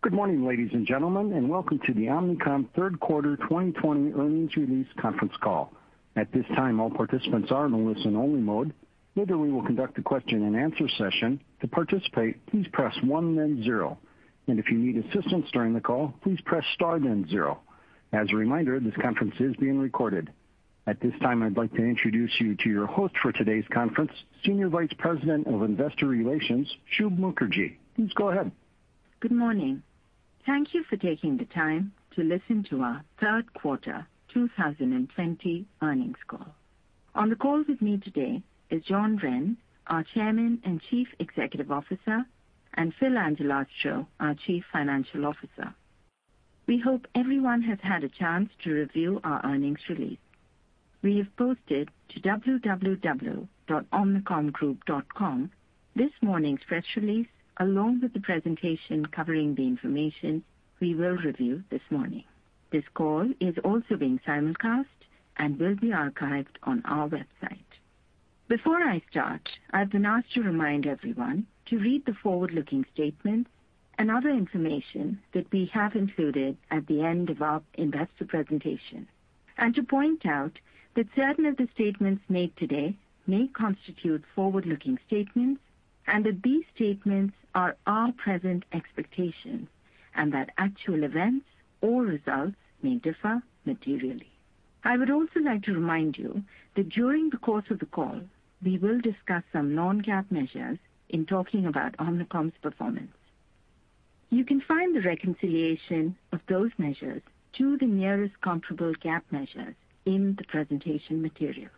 Good morning, ladies and gentlemen, and welcome to the Omnicom Third Quarter 2020 earnings release conference call. At this time, all participants are in a listen-only mode. Later, we will conduct a question-and-answer session. To participate, please press one then zero, and if you need assistance during the call, please press star then zero. As a reminder, this conference is being recorded. At this time, I'd like to introduce you to your host for today's conference, Senior Vice President of Investor Relations, Shubh Mukherjee. Please go ahead. Good morning. Thank you for taking the time to listen to our Third Quarter 2020 earnings call. On the call with me today is John Wren, our Chairman and Chief Executive Officer, and Phil Angelastro, our Chief Financial Officer. We hope everyone has had a chance to review our earnings release. We have posted to www.omnicomgroup.com this morning's press release along with the presentation covering the information we will review this morning. This call is also being simulcast and will be archived on our website. Before I start, I've been asked to remind everyone to read the forward-looking statements and other information that we have included at the end of our investor presentation, and to point out that certain of the statements made today may constitute forward-looking statements and that these statements are our present expectations and that actual events or results may differ materially. I would also like to remind you that during the course of the call, we will discuss some non-GAAP measures in talking about Omnicom's performance. You can find the reconciliation of those measures to the nearest comparable GAAP measures in the presentation material.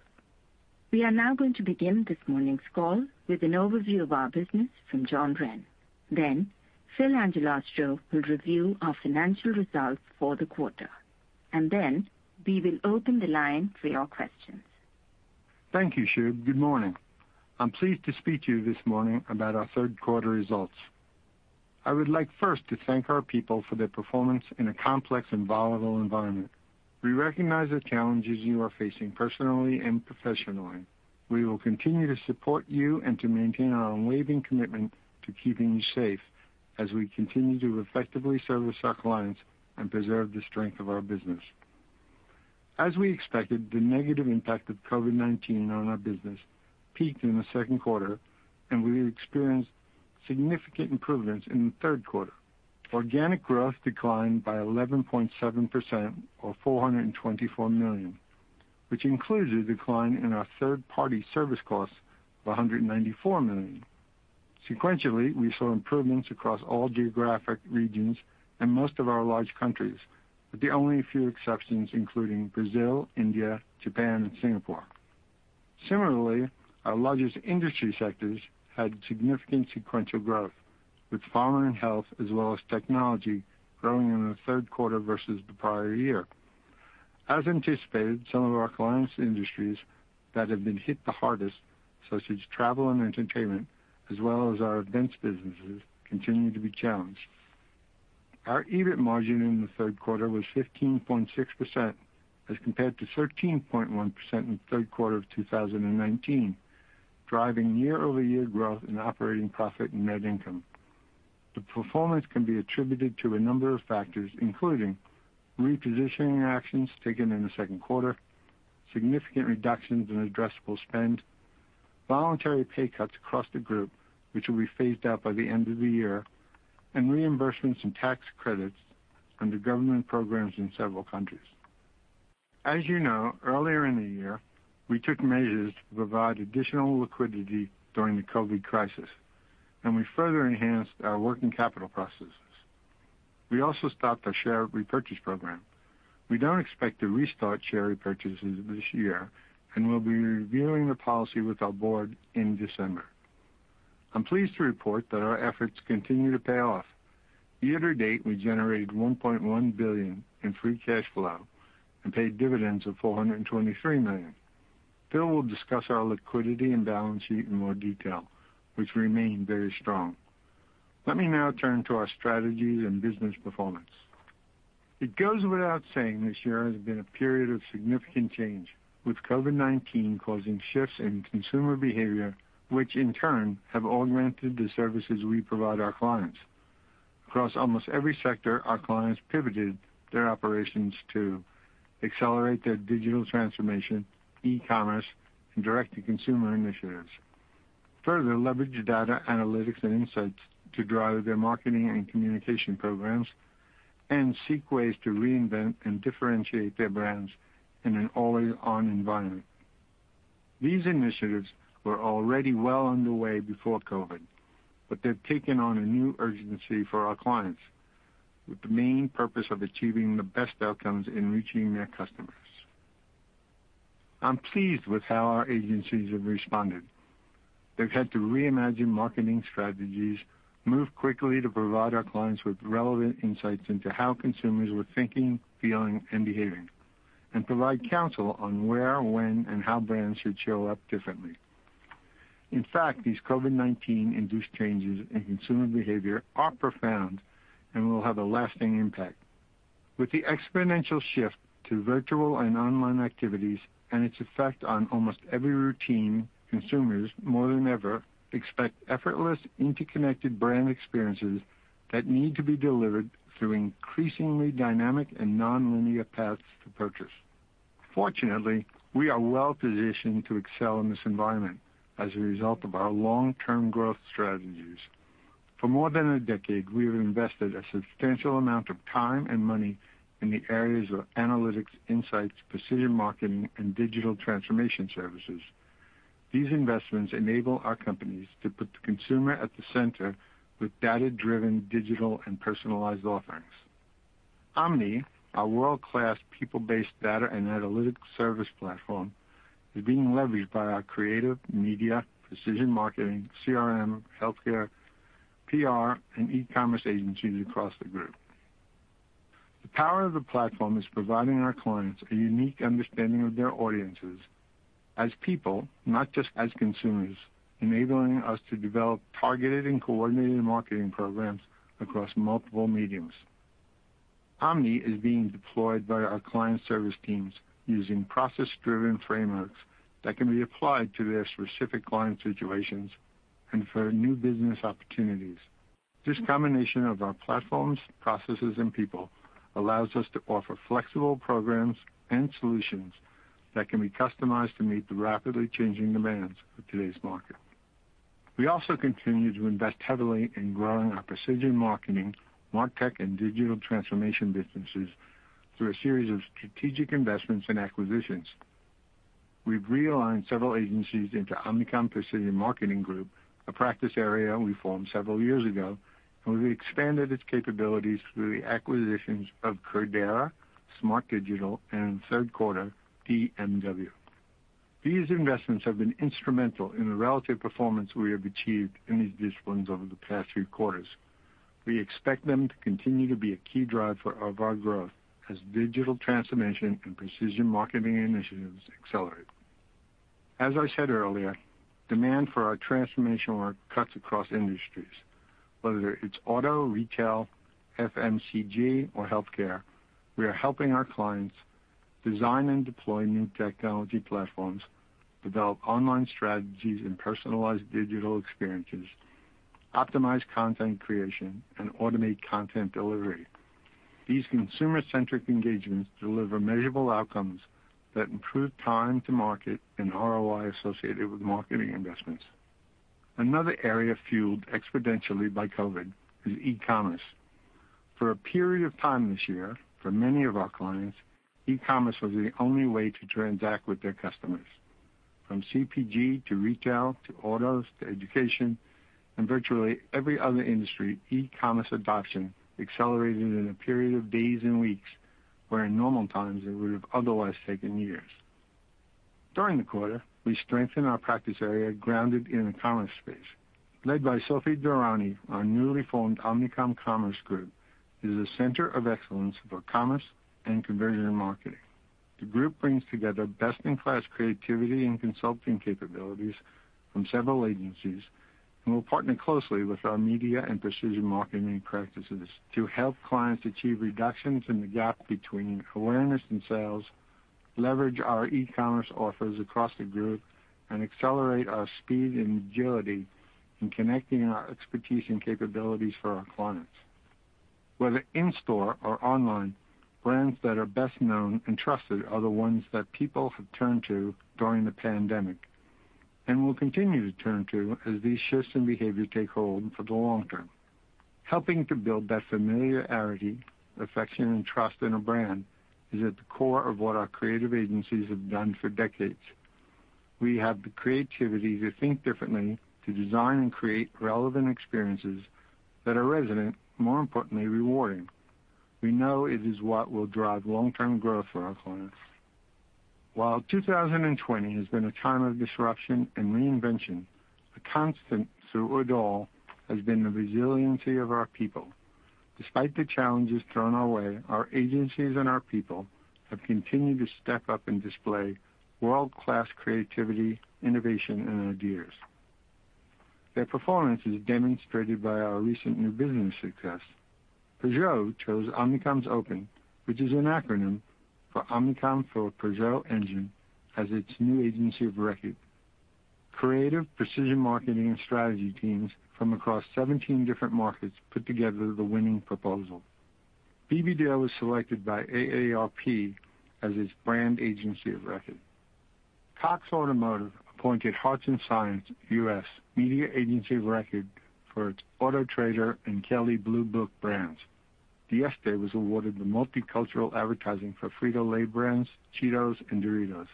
We are now going to begin this morning's call with an overview of our business from John Wren. Then, Phil Angelastro will review our financial results for the quarter, and then we will open the line for your questions. Thank you, Shubh. Good morning. I'm pleased to speak to you this morning about our third quarter results. I would like first to thank our people for their performance in a complex and volatile environment. We recognize the challenges you are facing personally and professionally. We will continue to support you and to maintain our unwavering commitment to keeping you safe as we continue to effectively service our clients and preserve the strength of our business. As we expected, the negative impact of COVID-19 on our business peaked in the second quarter, and we experienced significant improvements in the third quarter. Organic growth declined by 11.7%, or $424 million, which included a decline in our third-party service costs of $194 million. Sequentially, we saw improvements across all geographic regions and most of our large countries, with the only few exceptions including Brazil, India, Japan, and Singapore. Similarly, our largest industry sectors had significant sequential growth, with pharma and health as well as technology growing in the third quarter versus the prior year. As anticipated, some of our clients' industries that have been hit the hardest, such as travel and entertainment, as well as our events businesses, continue to be challenged. Our EBIT margin in the third quarter was 15.6% as compared to 13.1% in the third quarter of 2019, driving year-over-year growth in operating profit and net income. The performance can be attributed to a number of factors, including repositioning actions taken in the second quarter, significant reductions in addressable spend, voluntary pay cuts across the group, which will be phased out by the end of the year, and reimbursements and tax credits under government programs in several countries. As you know, earlier in the year, we took measures to provide additional liquidity during the COVID crisis, and we further enhanced our working capital processes. We also stopped our share repurchase program. We don't expect to restart share repurchases this year and will be reviewing the policy with our Board in December. I'm pleased to report that our efforts continue to pay off. Year to date, we generated $1.1 billion in free cash flow and paid dividends of $423 million. Phil will discuss our liquidity and balance sheet in more detail, which remain very strong. Let me now turn to our strategies and business performance. It goes without saying this year has been a period of significant change, with COVID-19 causing shifts in consumer behavior, which in turn have augmented the services we provide our clients. Across almost every sector, our clients pivoted their operations to accelerate their digital transformation, e-commerce, and direct-to-consumer initiatives, further leverage data analytics and insights to drive their marketing and communication programs, and seek ways to reinvent and differentiate their brands in an always-on environment. These initiatives were already well underway before COVID, but they've taken on a new urgency for our clients, with the main purpose of achieving the best outcomes in reaching their customers. I'm pleased with how our agencies have responded. They've had to reimagine marketing strategies, move quickly to provide our clients with relevant insights into how consumers were thinking, feeling, and behaving, and provide counsel on where, when, and how brands should show up differently. In fact, these COVID-19-induced changes in consumer behavior are profound and will have a lasting impact. With the exponential shift to virtual and online activities and its effect on almost every routine, consumers, more than ever, expect effortless, interconnected brand experiences that need to be delivered through increasingly dynamic and non-linear paths to purchase. Fortunately, we are well-positioned to excel in this environment as a result of our long-term growth strategies. For more than a decade, we have invested a substantial amount of time and money in the areas of analytics, insights, precision marketing, and digital transformation services. These investments enable our companies to put the consumer at the center with data-driven, digital, and personalized offerings. Omni, our world-class people-based data and analytics service platform, is being leveraged by our creative media, precision marketing, CRM, healthcare, PR, and e-commerce agencies across the group. The power of the platform is providing our clients a unique understanding of their audiences as people, not just as consumers, enabling us to develop targeted and coordinated marketing programs across multiple mediums. Omni is being deployed by our client service teams using process-driven frameworks that can be applied to their specific client situations and for new business opportunities. This combination of our platforms, processes, and people allows us to offer flexible programs and solutions that can be customized to meet the rapidly changing demands of today's market. We also continue to invest heavily in growing our precision marketing, martech, and digital transformation businesses through a series of strategic investments and acquisitions. We've realigned several agencies into Omnicom Precision Marketing Group, a practice area we formed several years ago, and we've expanded its capabilities through the acquisitions of Credera, Smart Digital, and in third quarter, DMW. These investments have been instrumental in the relative performance we have achieved in these disciplines over the past three quarters. We expect them to continue to be a key driver of our growth as digital transformation and precision marketing initiatives accelerate. As I said earlier, demand for our transformation work cuts across industries. Whether it's auto, retail, FMCG, or healthcare, we are helping our clients design and deploy new technology platforms, develop online strategies and personalized digital experiences, optimize content creation, and automate content delivery. These consumer-centric engagements deliver measurable outcomes that improve time to market and ROI associated with marketing investments. Another area fueled exponentially by COVID is e-commerce. For a period of time this year, for many of our clients, e-commerce was the only way to transact with their customers. From CPG to retail to autos to education and virtually every other industry, e-commerce adoption accelerated in a period of days and weeks where, in normal times, it would have otherwise taken years. During the quarter, we strengthened our practice area grounded in the commerce space. Led by Sophie Daranyi, our newly formed Omnicom Commerce Group is the center of excellence for commerce and conversion marketing. The group brings together best-in-class creativity and consulting capabilities from several agencies and will partner closely with our media and precision marketing practices to help clients achieve reductions in the gap between awareness and sales, leverage our e-commerce offers across the group, and accelerate our speed and agility in connecting our expertise and capabilities for our clients. Whether in-store or online, brands that are best known and trusted are the ones that people have turned to during the pandemic and will continue to turn to as these shifts in behavior take hold for the long term. Helping to build that familiarity, affection, and trust in a brand is at the core of what our creative agencies have done for decades. We have the creativity to think differently, to design and create relevant experiences that are resonant and, more importantly, rewarding. We know it is what will drive long-term growth for our clients. While 2020 has been a time of disruption and reinvention, a constant through it all has been the resiliency of our people. Despite the challenges thrown our way, our agencies and our people have continued to step up and display world-class creativity, innovation, and ideas. Their performance is demonstrated by our recent new business success. Peugeot chose Omnicom's Open, which is an acronym for Omnicom for Peugeot Engine, as its new agency of record. Creative precision marketing and strategy teams from across 17 different markets put together the winning proposal. BBDO was selected by AARP as its brand agency of record. Cox Automotive appointed Hearts & Science U.S., media agency of record, for its Autotrader and Kelley Blue Book brands. Dieste was awarded the multicultural advertising for Frito-Lay brands, Cheetos, and Doritos.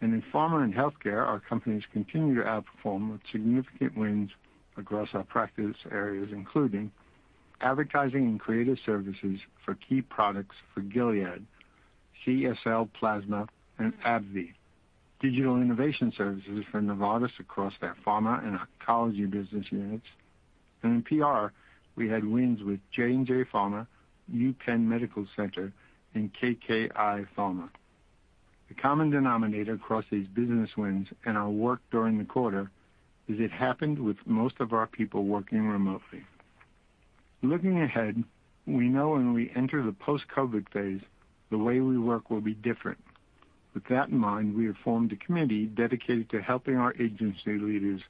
And in pharma and healthcare, our companies continue to outperform with significant wins across our practice areas, including advertising and creative services for key products for Gilead, CSL Plasma, and AbbVie, digital innovation services for Novartis across their pharma and oncology business units. And in PR, we had wins with J&J Pharma, UPenn Medical Center, and KKI Pharma. The common denominator across these business wins and our work during the quarter is, it happened with most of our people working remotely. Looking ahead, we know when we enter the post-COVID phase, the way we work will be different. With that in mind, we have formed a committee dedicated to helping our agency leaders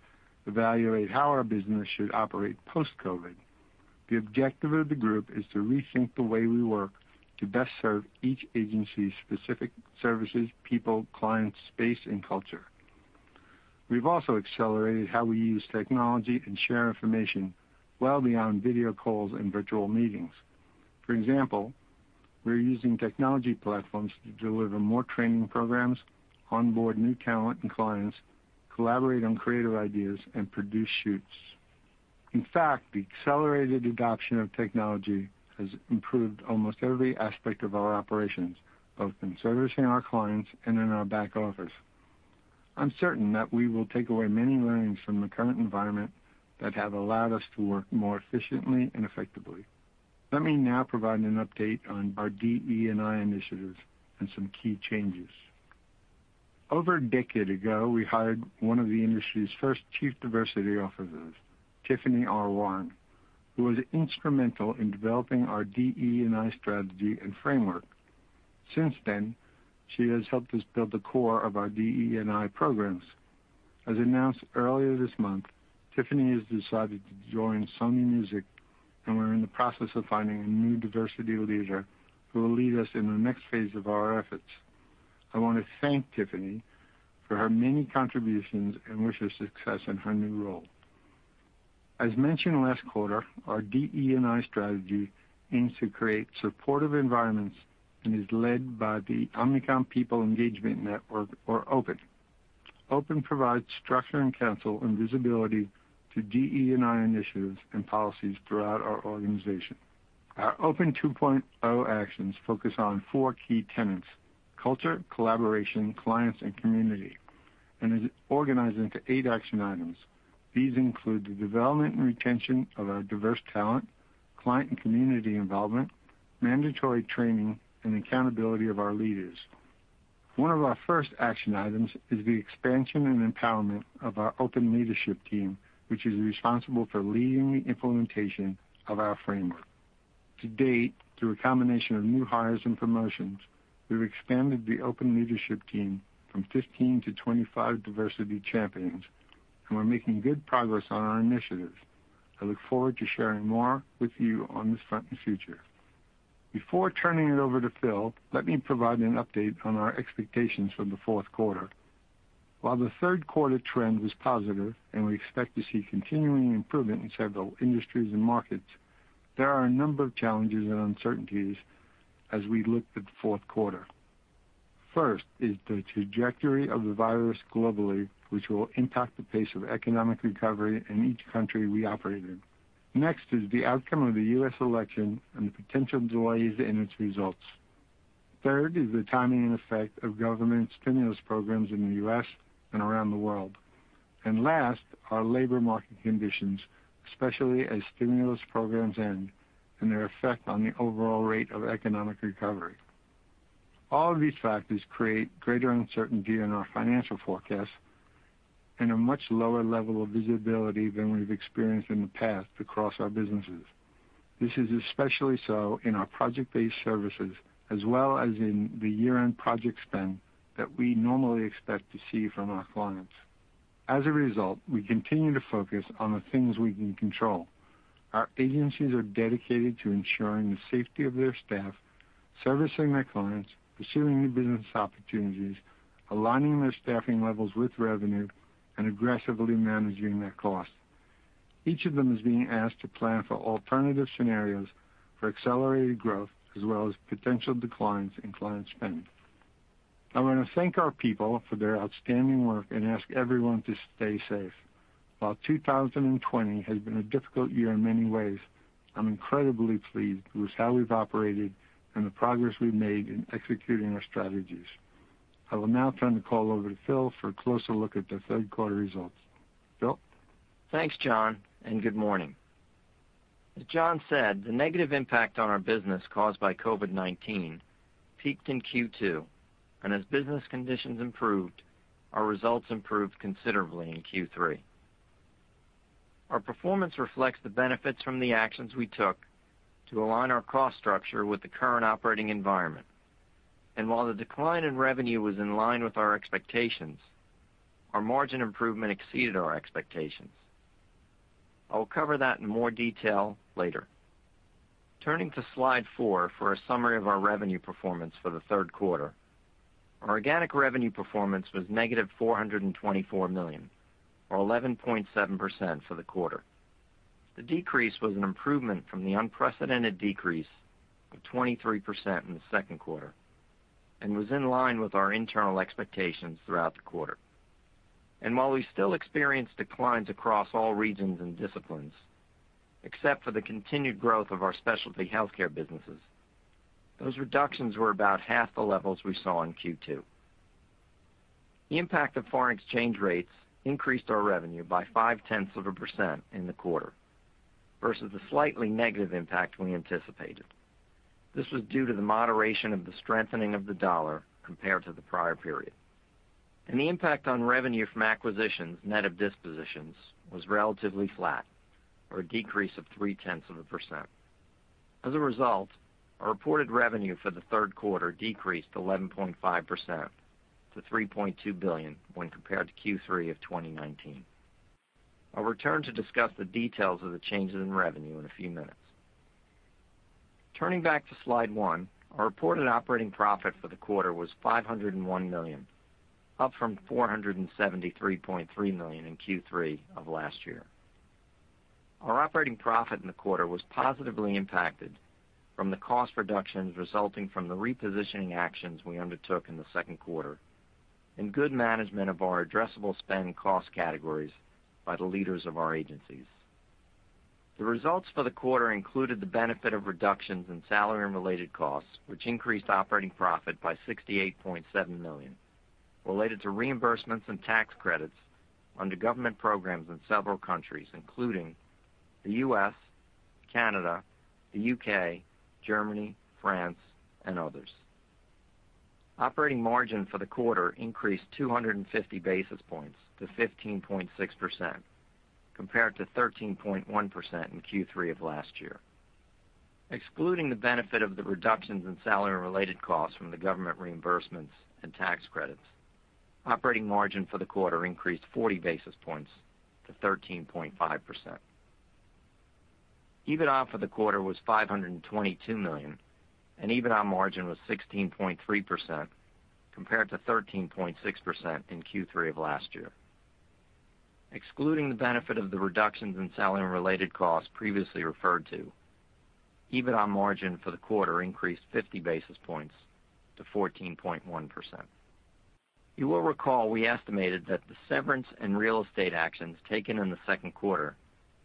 evaluate how our business should operate post-COVID. The objective of the group is to rethink the way we work to best serve each agency's specific services, people, clients, space, and culture. We've also accelerated how we use technology and share information well beyond video calls and virtual meetings. For example, we're using technology platforms to deliver more training programs, onboard new talent and clients, collaborate on creative ideas, and produce shoots. In fact, the accelerated adoption of technology has improved almost every aspect of our operations, both in servicing our clients and in our back office. I'm certain that we will take away many learnings from the current environment that have allowed us to work more efficiently and effectively. Let me now provide an update on our DE&I initiatives and some key changes. Over a decade ago, we hired one of the industry's first chief diversity officers, Tiffany R. Warren, who was instrumental in developing our DE&I strategy and framework. Since then, she has helped us build the core of our DE&I programs. As announced earlier this month, Tiffany has decided to join Sony Music, and we're in the process of finding a new diversity leader who will lead us in the next phase of our efforts. I want to thank Tiffany for her many contributions and wish her success in her new role. As mentioned last quarter, our DE&I strategy aims to create supportive environments and is led by the Omnicom People Engagement Network, or OPEN. OPEN provides structure and counsel and visibility to DE&I initiatives and policies throughout our organization. Our OPEN 2.0 actions focus on four key tenets: culture, collaboration, clients, and community, and are organized into eight action items. These include the development and retention of our diverse talent, client and community involvement, mandatory training, and accountability of our leaders. One of our first action items is the expansion and empowerment of our OPEN leadership team, which is responsible for leading the implementation of our framework. To date, through a combination of new hires and promotions, we've expanded the OPEN leadership team from 15 to 25 diversity champions, and we're making good progress on our initiatives. I look forward to sharing more with you on this front in the future. Before turning it over to Phil, let me provide an update on our expectations for the fourth quarter. While the third quarter trend was positive and we expect to see continuing improvement in several industries and markets, there are a number of challenges and uncertainties as we look at the fourth quarter. First is the trajectory of the virus globally, which will impact the pace of economic recovery in each country we operate in. Next is the outcome of the U.S. election and the potential delays in its results. Third is the timing and effect of government stimulus programs in the U.S. and around the world. And last, our labor market conditions, especially as stimulus programs end and their effect on the overall rate of economic recovery. All of these factors create greater uncertainty in our financial forecasts and a much lower level of visibility than we've experienced in the past across our businesses. This is especially so in our project-based services, as well as in the year-end project spend that we normally expect to see from our clients. As a result, we continue to focus on the things we can control. Our agencies are dedicated to ensuring the safety of their staff, servicing their clients, pursuing new business opportunities, aligning their staffing levels with revenue, and aggressively managing their costs. Each of them is being asked to plan for alternative scenarios for accelerated growth, as well as potential declines in client spend. I want to thank our people for their outstanding work and ask everyone to stay safe. While 2020 has been a difficult year in many ways, I'm incredibly pleased with how we've operated and the progress we've made in executing our strategies. I will now turn the call over to Phil for a closer look at the third quarter results. Phil? Thanks, John, and good morning. As John said, the negative impact on our business caused by COVID-19 peaked in Q2, and as business conditions improved, our results improved considerably in Q3. Our performance reflects the benefits from the actions we took to align our cost structure with the current operating environment, and while the decline in revenue was in line with our expectations, our margin improvement exceeded our expectations. I'll cover that in more detail later. Turning to slide four for a summary of our revenue performance for the third quarter, our organic revenue performance was negative $424 million, or 11.7% for the quarter. The decrease was an improvement from the unprecedented decrease of 23% in the second quarter and was in line with our internal expectations throughout the quarter. And while we still experienced declines across all regions and disciplines, except for the continued growth of our specialty healthcare businesses, those reductions were about half the levels we saw in Q2. The impact of foreign exchange rates increased our revenue by 0.5% in the quarter versus the slightly negative impact we anticipated. This was due to the moderation of the strengthening of the dollar compared to the prior period. And the impact on revenue from acquisitions net of dispositions was relatively flat, or a decrease of 0.3%. As a result, our reported revenue for the third quarter decreased 11.5% to $3.2 billion when compared to Q3 of 2019. I'll return to discuss the details of the changes in revenue in a few minutes. Turning back to slide one, our reported operating profit for the quarter was $501 million, up from $473.3 million in Q3 of last year. Our operating profit in the quarter was positively impacted from the cost reductions resulting from the repositioning actions we undertook in the second quarter and good management of our addressable spend cost categories by the leaders of our agencies. The results for the quarter included the benefit of reductions in salary and related costs, which increased operating profit by $68.7 million, related to reimbursements and tax credits under government programs in several countries, including the U.S., Canada, the UK, Germany, France, and others. Operating margin for the quarter increased 250 basis points to 15.6% compared to 13.1% in Q3 of last year. Excluding the benefit of the reductions in salary and related costs from the government reimbursements and tax credits, operating margin for the quarter increased 40 basis points to 13.5%. EBITDA for the quarter was $522 million, and EBITDA margin was 16.3% compared to 13.6% in Q3 of last year. Excluding the benefit of the reductions in salary and related costs previously referred to, EBITDA margin for the quarter increased 50 basis points to 14.1%. You will recall we estimated that the severance and real estate actions taken in the second quarter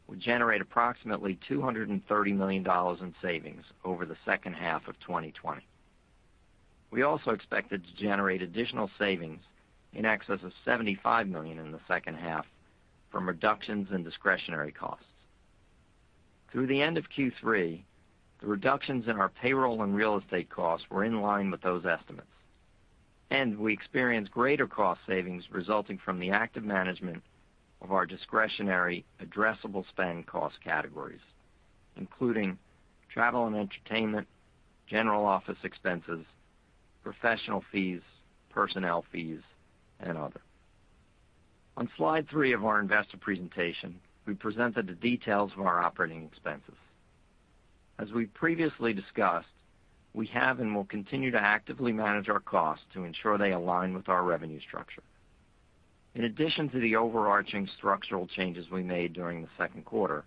would generate approximately $230 million in savings over the second half of 2020. We also expected to generate additional savings in excess of $75 million in the second half from reductions in discretionary costs. Through the end of Q3, the reductions in our payroll and real estate costs were in line with those estimates, and we experienced greater cost savings resulting from the active management of our discretionary addressable spend cost categories, including travel and entertainment, general office expenses, professional fees, personnel fees, and other. On slide three of our investor presentation, we presented the details of our operating expenses. As we previously discussed, we have and will continue to actively manage our costs to ensure they align with our revenue structure. In addition to the overarching structural changes we made during the second quarter,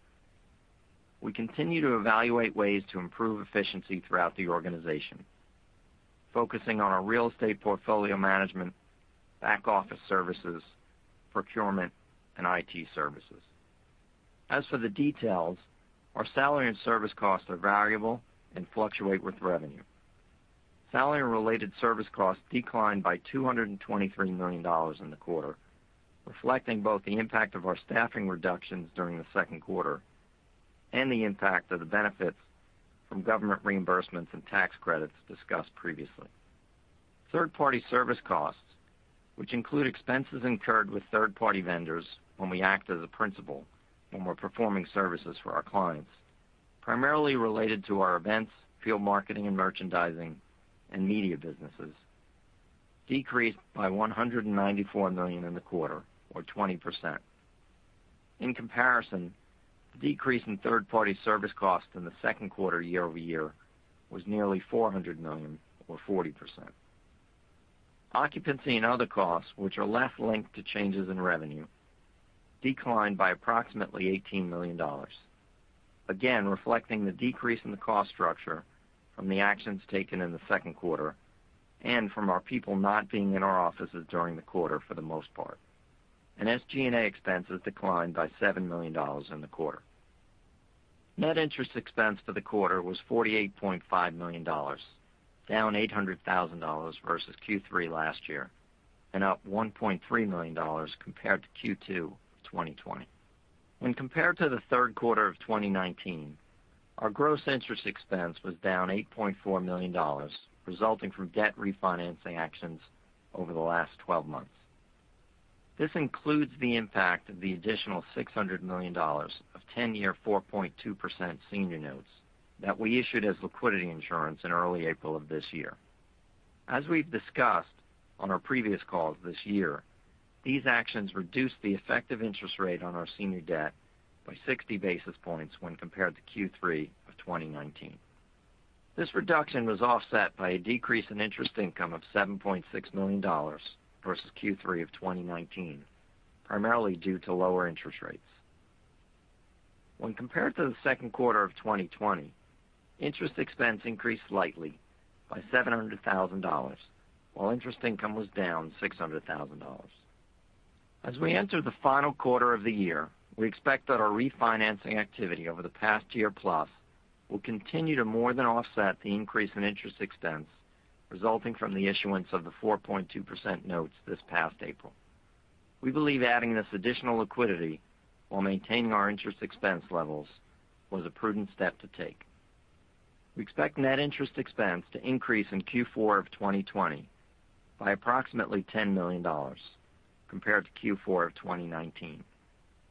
we continue to evaluate ways to improve efficiency throughout the organization, focusing on our real estate portfolio management, back office services, procurement, and IT services. As for the details, our salary and service costs are variable and fluctuate with revenue. Salary and related service costs declined by $223 million in the quarter, reflecting both the impact of our staffing reductions during the second quarter and the impact of the benefits from government reimbursements and tax credits discussed previously. Third-party service costs, which include expenses incurred with third-party vendors when we act as a principal when we're performing services for our clients, primarily related to our events, field marketing and merchandising, and media businesses, decreased by $194 million in the quarter, or 20%. In comparison, the decrease in third-party service costs in the second quarter year-over-year was nearly $400 million, or 40%. Occupancy and other costs, which are less linked to changes in revenue, declined by approximately $18 million, again reflecting the decrease in the cost structure from the actions taken in the second quarter and from our people not being in our offices during the quarter for the most part. And SG&A expenses declined by $7 million in the quarter. Net interest expense for the quarter was $48.5 million, down $800,000 versus Q3 last year and up $1.3 million compared to Q2 of 2020. When compared to the third quarter of 2019, our gross interest expense was down $8.4 million, resulting from debt refinancing actions over the last 12 months. This includes the impact of the additional $600 million of 10-year 4.2% senior notes that we issued as liquidity insurance in early April of this year. As we've discussed on our previous calls this year, these actions reduced the effective interest rate on our senior debt by 60 basis points when compared to Q3 of 2019. This reduction was offset by a decrease in interest income of $7.6 million versus Q3 of 2019, primarily due to lower interest rates. When compared to the second quarter of 2020, interest expense increased slightly by $700,000, while interest income was down $600,000. As we enter the final quarter of the year, we expect that our refinancing activity over the past year plus will continue to more than offset the increase in interest expense resulting from the issuance of the 4.2% notes this past April. We believe adding this additional liquidity while maintaining our interest expense levels was a prudent step to take. We expect net interest expense to increase in Q4 of 2020 by approximately $10 million compared to Q4 of 2019,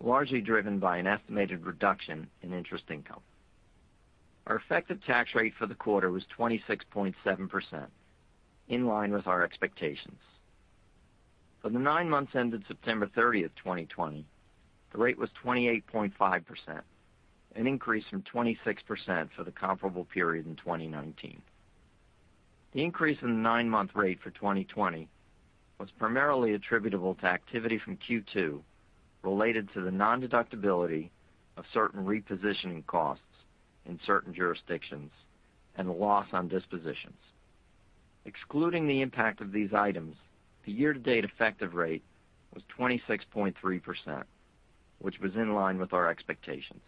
largely driven by an estimated reduction in interest income. Our effective tax rate for the quarter was 26.7%, in line with our expectations. For the nine months ended September 30, 2020, the rate was 28.5%, an increase from 26% for the comparable period in 2019. The increase in the nine-month rate for 2020 was primarily attributable to activity from Q2 related to the non-deductibility of certain repositioning costs in certain jurisdictions and loss on dispositions. Excluding the impact of these items, the year-to-date effective rate was 26.3%, which was in line with our expectations.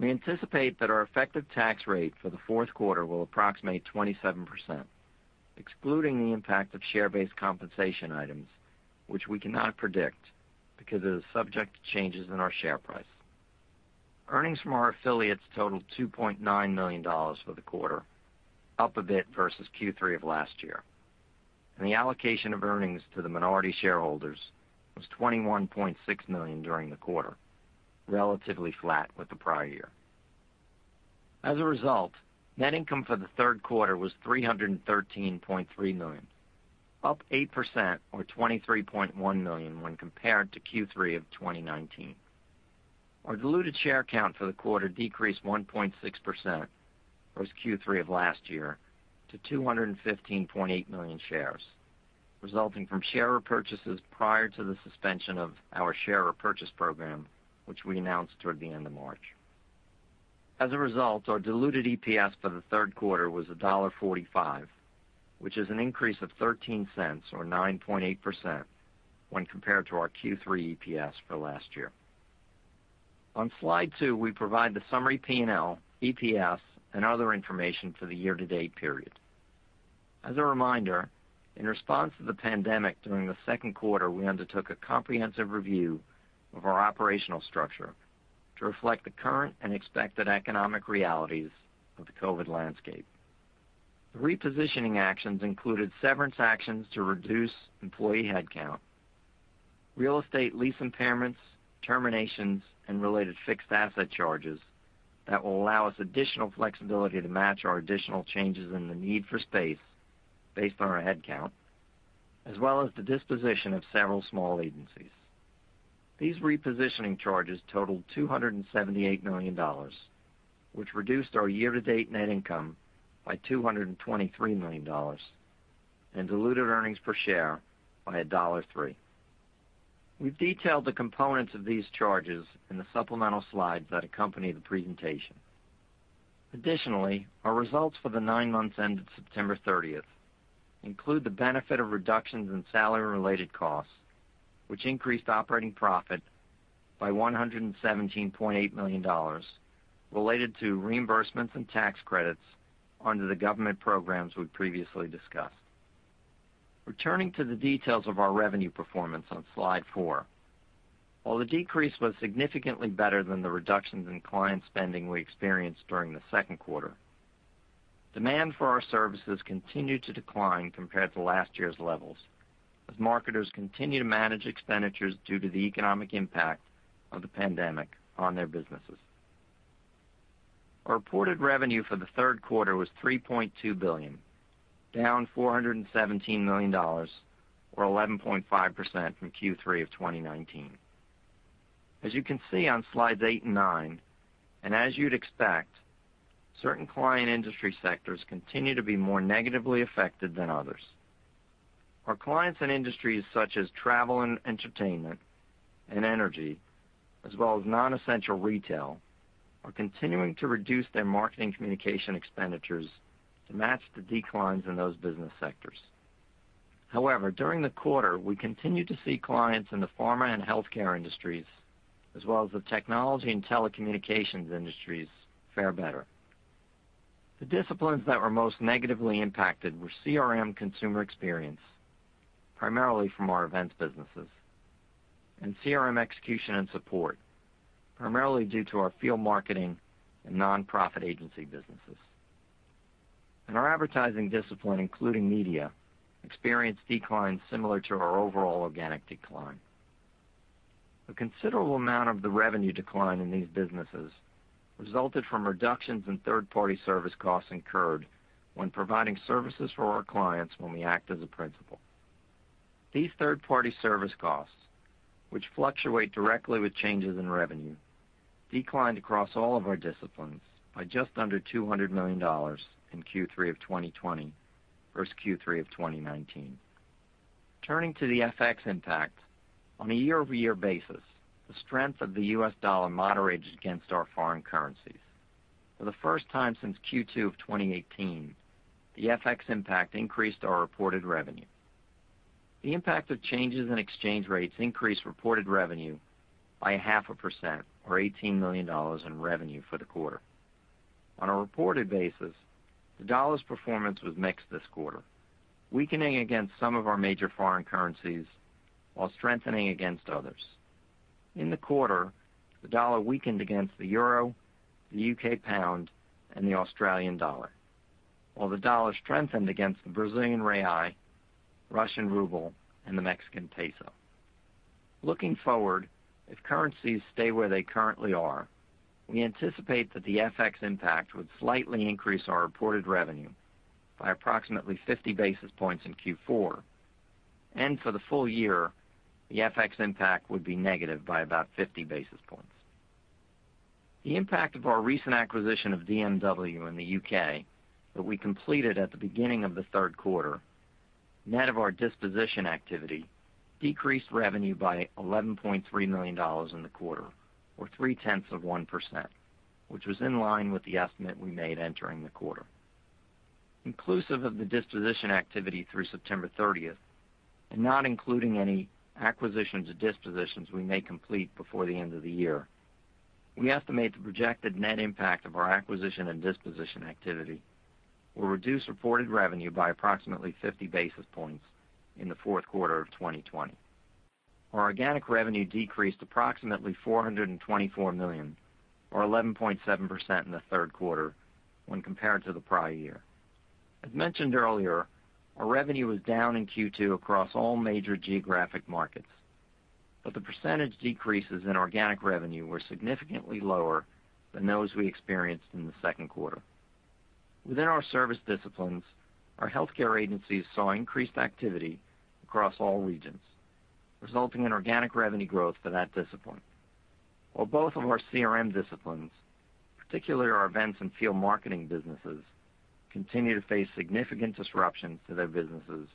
We anticipate that our effective tax rate for the fourth quarter will approximate 27%, excluding the impact of share-based compensation items, which we cannot predict because it is subject to changes in our share price. Earnings from our affiliates totaled $2.9 million for the quarter, up a bit versus Q3 of last year. The allocation of earnings to the minority shareholders was $21.6 million during the quarter, relatively flat with the prior year. As a result, net income for the third quarter was $313.3 million, up 8%, or $23.1 million when compared to Q3 of 2019. Our diluted share count for the quarter decreased 1.6% versus Q3 of last year to 215.8 million shares, resulting from share repurchases prior to the suspension of our share repurchase program, which we announced toward the end of March. As a result, our diluted EPS for the third quarter was $1.45, which is an increase of $0.13, or 9.8%, when compared to our Q3 EPS for last year. On slide two, we provide the summary P&L, EPS, and other information for the year-to-date period. As a reminder, in response to the pandemic during the second quarter, we undertook a comprehensive review of our operational structure to reflect the current and expected economic realities of the COVID landscape. The repositioning actions included severance actions to reduce employee headcount, real estate lease impairments, terminations, and related fixed asset charges that will allow us additional flexibility to match our additional changes in the need for space based on our headcount, as well as the disposition of several small agencies. These repositioning charges totaled $278 million, which reduced our year-to-date net income by $223 million and diluted earnings per share by $1.03. We've detailed the components of these charges in the supplemental slides that accompany the presentation. Additionally, our results for the nine months ended September 30 include the benefit of reductions in salary and related costs, which increased operating profit by $117.8 million related to reimbursements and tax credits under the government programs we previously discussed. Returning to the details of our revenue performance on slide four, while the decrease was significantly better than the reductions in client spending we experienced during the second quarter, demand for our services continued to decline compared to last year's levels as marketers continue to manage expenditures due to the economic impact of the pandemic on their businesses. Our reported revenue for the third quarter was $3.2 billion, down $417 million, or 11.5% from Q3 of 2019. As you can see on slides eight and nine, and as you'd expect, certain client industry sectors continue to be more negatively affected than others. Our clients in industries such as travel and entertainment and energy, as well as non-essential retail, are continuing to reduce their marketing communication expenditures to match the declines in those business sectors. However, during the quarter, we continue to see clients in the pharma and healthcare industries, as well as the technology and telecommunications industries, fare better. The disciplines that were most negatively impacted were CRM consumer experience, primarily from our events businesses, and CRM execution and support, primarily due to our field marketing and nonprofit agency businesses. Our advertising discipline, including media, experienced declines similar to our overall organic decline. A considerable amount of the revenue decline in these businesses resulted from reductions in third-party service costs incurred when providing services for our clients when we act as a principal. These third-party service costs, which fluctuate directly with changes in revenue, declined across all of our disciplines by just under $200 million in Q3 of 2020 versus Q3 of 2019. Turning to the FX impact, on a year-over-year basis, the strength of the U.S. dollar moderated against our foreign currencies. For the first time since Q2 of 2018, the FX impact increased our reported revenue. The impact of changes in exchange rates increased reported revenue by 0.5%, or $18 million in revenue for the quarter. On a reported basis, the dollar's performance was mixed this quarter, weakening against some of our major foreign currencies while strengthening against others. In the quarter, the dollar weakened against the euro, the UK pound, and the Australian dollar, while the dollar strengthened against the Brazilian real, Russian ruble, and the Mexican peso. Looking forward, if currencies stay where they currently are, we anticipate that the FX impact would slightly increase our reported revenue by approximately 50 basis points in Q4, and for the full year, the FX impact would be negative by about 50 basis points. The impact of our recent acquisition of DMW in the UK that we completed at the beginning of the third quarter, net of our disposition activity, decreased revenue by $11.3 million in the quarter, or 0.3%, which was in line with the estimate we made entering the quarter. Inclusive of the disposition activity through September 30, and not including any acquisitions or dispositions we may complete before the end of the year, we estimate the projected net impact of our acquisition and disposition activity will reduce reported revenue by approximately 50 basis points in the fourth quarter of 2020. Our organic revenue decreased approximately $424 million, or 11.7%, in the third quarter when compared to the prior year. As mentioned earlier, our revenue was down in Q2 across all major geographic markets, but the percentage decreases in organic revenue were significantly lower than those we experienced in the second quarter. Within our service disciplines, our healthcare agencies saw increased activity across all regions, resulting in organic revenue growth for that discipline. While both of our CRM disciplines, particularly our events and field marketing businesses, continue to face significant disruptions to their businesses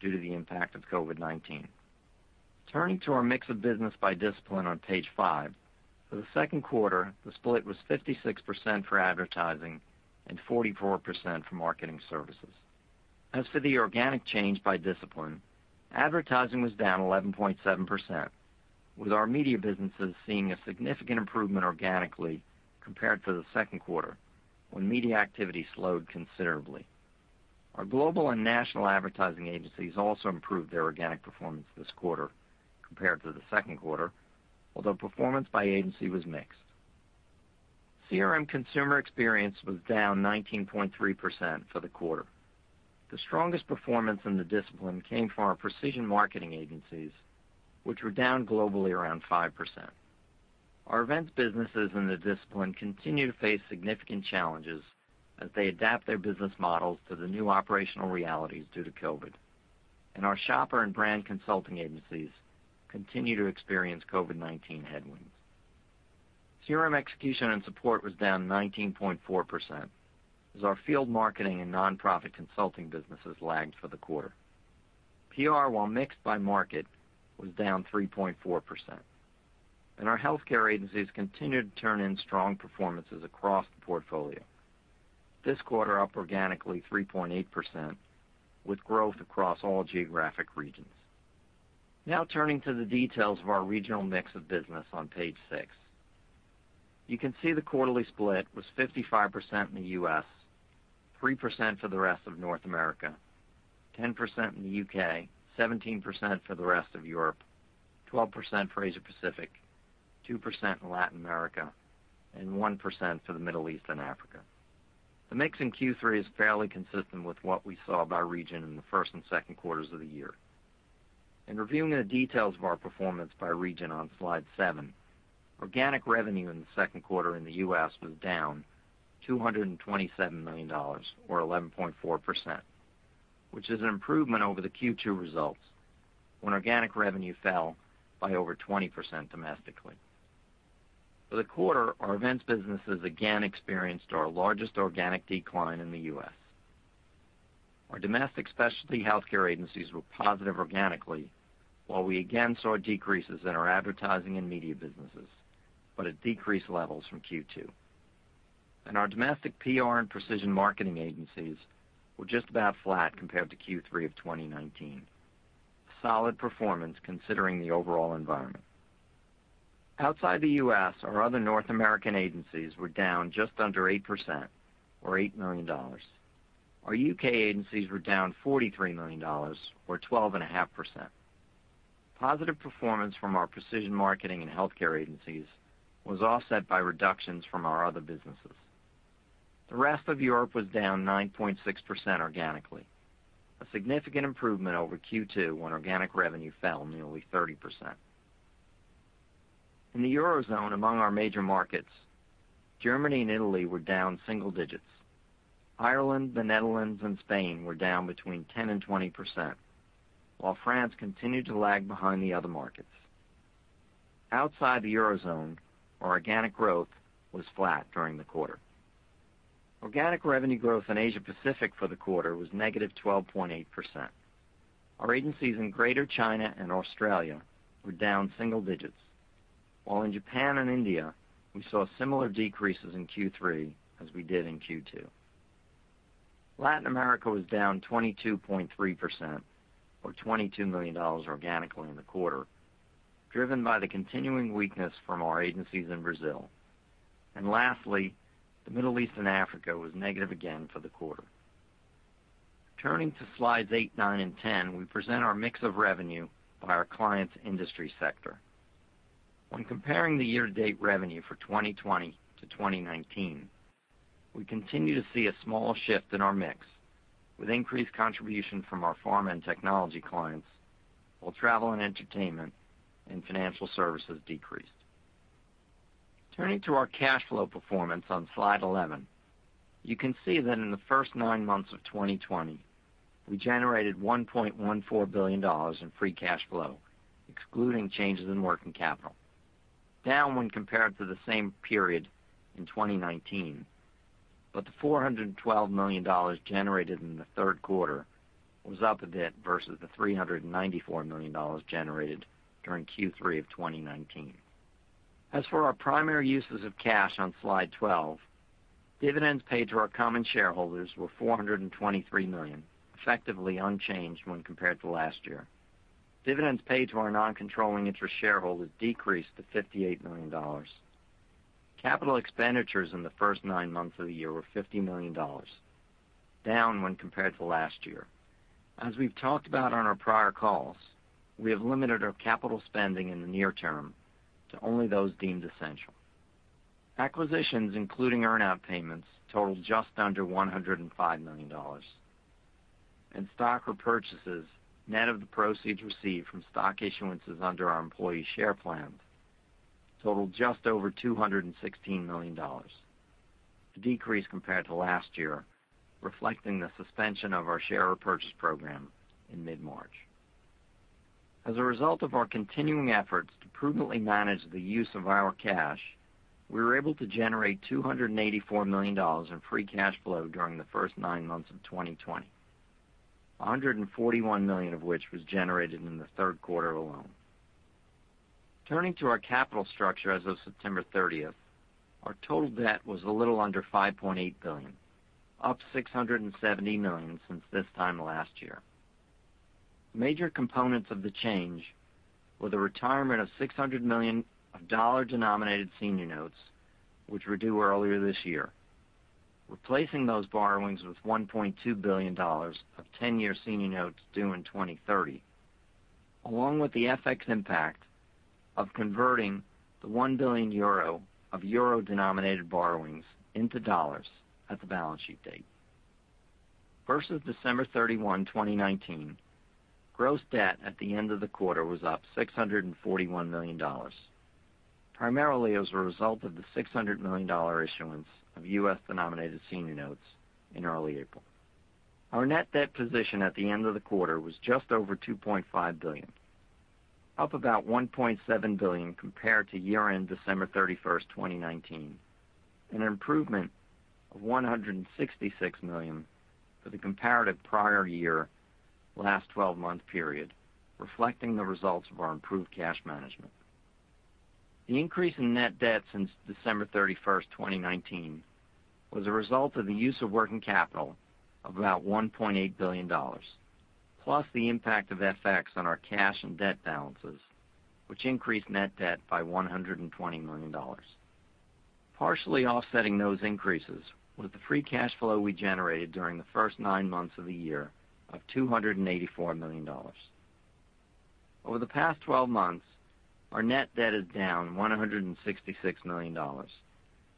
due to the impact of COVID-19. Turning to our mix of business by discipline on page five, for the second quarter, the split was 56% for advertising and 44% for marketing services. As for the organic change by discipline, advertising was down 11.7%, with our media businesses seeing a significant improvement organically compared to the second quarter when media activity slowed considerably. Our global and national advertising agencies also improved their organic performance this quarter compared to the second quarter, although performance by agency was mixed. CRM consumer experience was down 19.3% for the quarter. The strongest performance in the discipline came from our precision marketing agencies, which were down globally around 5%. Our events businesses in the discipline continue to face significant challenges as they adapt their business models to the new operational realities due to COVID, and our shopper and brand consulting agencies continue to experience COVID-19 headwinds. CRM execution and support was down 19.4%, as our field marketing and nonprofit consulting businesses lagged for the quarter. PR, while mixed by market, was down 3.4%. And our healthcare agencies continue to turn in strong performances across the portfolio. This quarter up organically 3.8%, with growth across all geographic regions. Now turning to the details of our regional mix of business on page six. You can see the quarterly split was 55% in the U.S., 3% for the rest of North America, 10% in the UK, 17% for the rest of Europe, 12% for Asia Pacific, 2% in Latin America, and 1% for the Middle East and Africa. The mix in Q3 is fairly consistent with what we saw by region in the first and second quarters of the year. In reviewing the details of our performance by region on slide seven, organic revenue in the second quarter in the U.S. was down $227 million, or 11.4%, which is an improvement over the Q2 results when organic revenue fell by over 20% domestically. For the quarter, our events businesses again experienced our largest organic decline in the U.S. Our domestic specialty healthcare agencies were positive organically, while we again saw decreases in our advertising and media businesses, but at decreased levels from Q2, and our domestic PR and precision marketing agencies were just about flat compared to Q3 of 2019, solid performance considering the overall environment. Outside the U.S., our other North American agencies were down just under 8%, or $8 million. Our UK agencies were down $43 million, or 12.5%. Positive performance from our precision marketing and healthcare agencies was offset by reductions from our other businesses. The rest of Europe was down 9.6% organically, a significant improvement over Q2 when organic revenue fell nearly 30%. In the Eurozone, among our major markets, Germany and Italy were down single digits. Ireland, the Netherlands, and Spain were down between 10% and 20%, while France continued to lag behind the other markets. Outside the Eurozone, our organic growth was flat during the quarter. Organic revenue growth in Asia Pacific for the quarter was negative 12.8%. Our agencies in Greater China and Australia were down single digits, while in Japan and India, we saw similar decreases in Q3 as we did in Q2. Latin America was down 22.3%, or $22 million organically in the quarter, driven by the continuing weakness from our agencies in Brazil. And lastly, the Middle East and Africa was negative again for the quarter. Turning to slides eight, nine, and ten, we present our mix of revenue by our clients' industry sector. When comparing the year-to-date revenue for 2020 to 2019, we continue to see a small shift in our mix, with increased contribution from our pharma and technology clients, while travel and entertainment and financial services decreased. Turning to our cash flow performance on slide 11, you can see that in the first nine months of 2020, we generated $1.14 billion in free cash flow, excluding changes in working capital, down when compared to the same period in 2019. But the $412 million generated in the third quarter was up a bit versus the $394 million generated during Q3 of 2019. As for our primary uses of cash on slide 12, dividends paid to our common shareholders were $423 million, effectively unchanged when compared to last year. Dividends paid to our non-controlling interest shareholders decreased to $58 million. Capital expenditures in the first nine months of the year were $50 million, down when compared to last year. As we've talked about on our prior calls, we have limited our capital spending in the near term to only those deemed essential. Acquisitions, including earn-out payments, totaled just under $105 million, and stock repurchases, net of the proceeds received from stock issuances under our employee share plans, totaled just over $216 million, a decrease compared to last year, reflecting the suspension of our share repurchase program in mid-March. As a result of our continuing efforts to prudently manage the use of our cash, we were able to generate $284 million in free cash flow during the first nine months of 2020, $141 million of which was generated in the third quarter alone. Turning to our capital structure as of September 30, our total debt was a little under $5.8 billion, up $670 million since this time last year. Major components of the change were the retirement of $600 million of dollar-denominated senior notes, which were due earlier this year, replacing those borrowings with $1.2 billion of 10-year senior notes due in 2030, along with the FX impact of converting the 1 billion euro of euro-denominated borrowings into dollars at the balance sheet date. Versus December 31, 2019, gross debt at the end of the quarter was up $641 million, primarily as a result of the $600 million issuance of U.S.-denominated senior notes in early April. Our net debt position at the end of the quarter was just over $2.5 billion, up about $1.7 billion compared to year-end December 31, 2019, an improvement of $166 million for the comparative prior year last 12-month period, reflecting the results of our improved cash management. The increase in net debt since December 31, 2019, was a result of the use of working capital of about $1.8 billion, plus the impact of FX on our cash and debt balances, which increased net debt by $120 million. Partially offsetting those increases was the free cash flow we generated during the first nine months of the year of $284 million. Over the past 12 months, our net debt is down $166 million,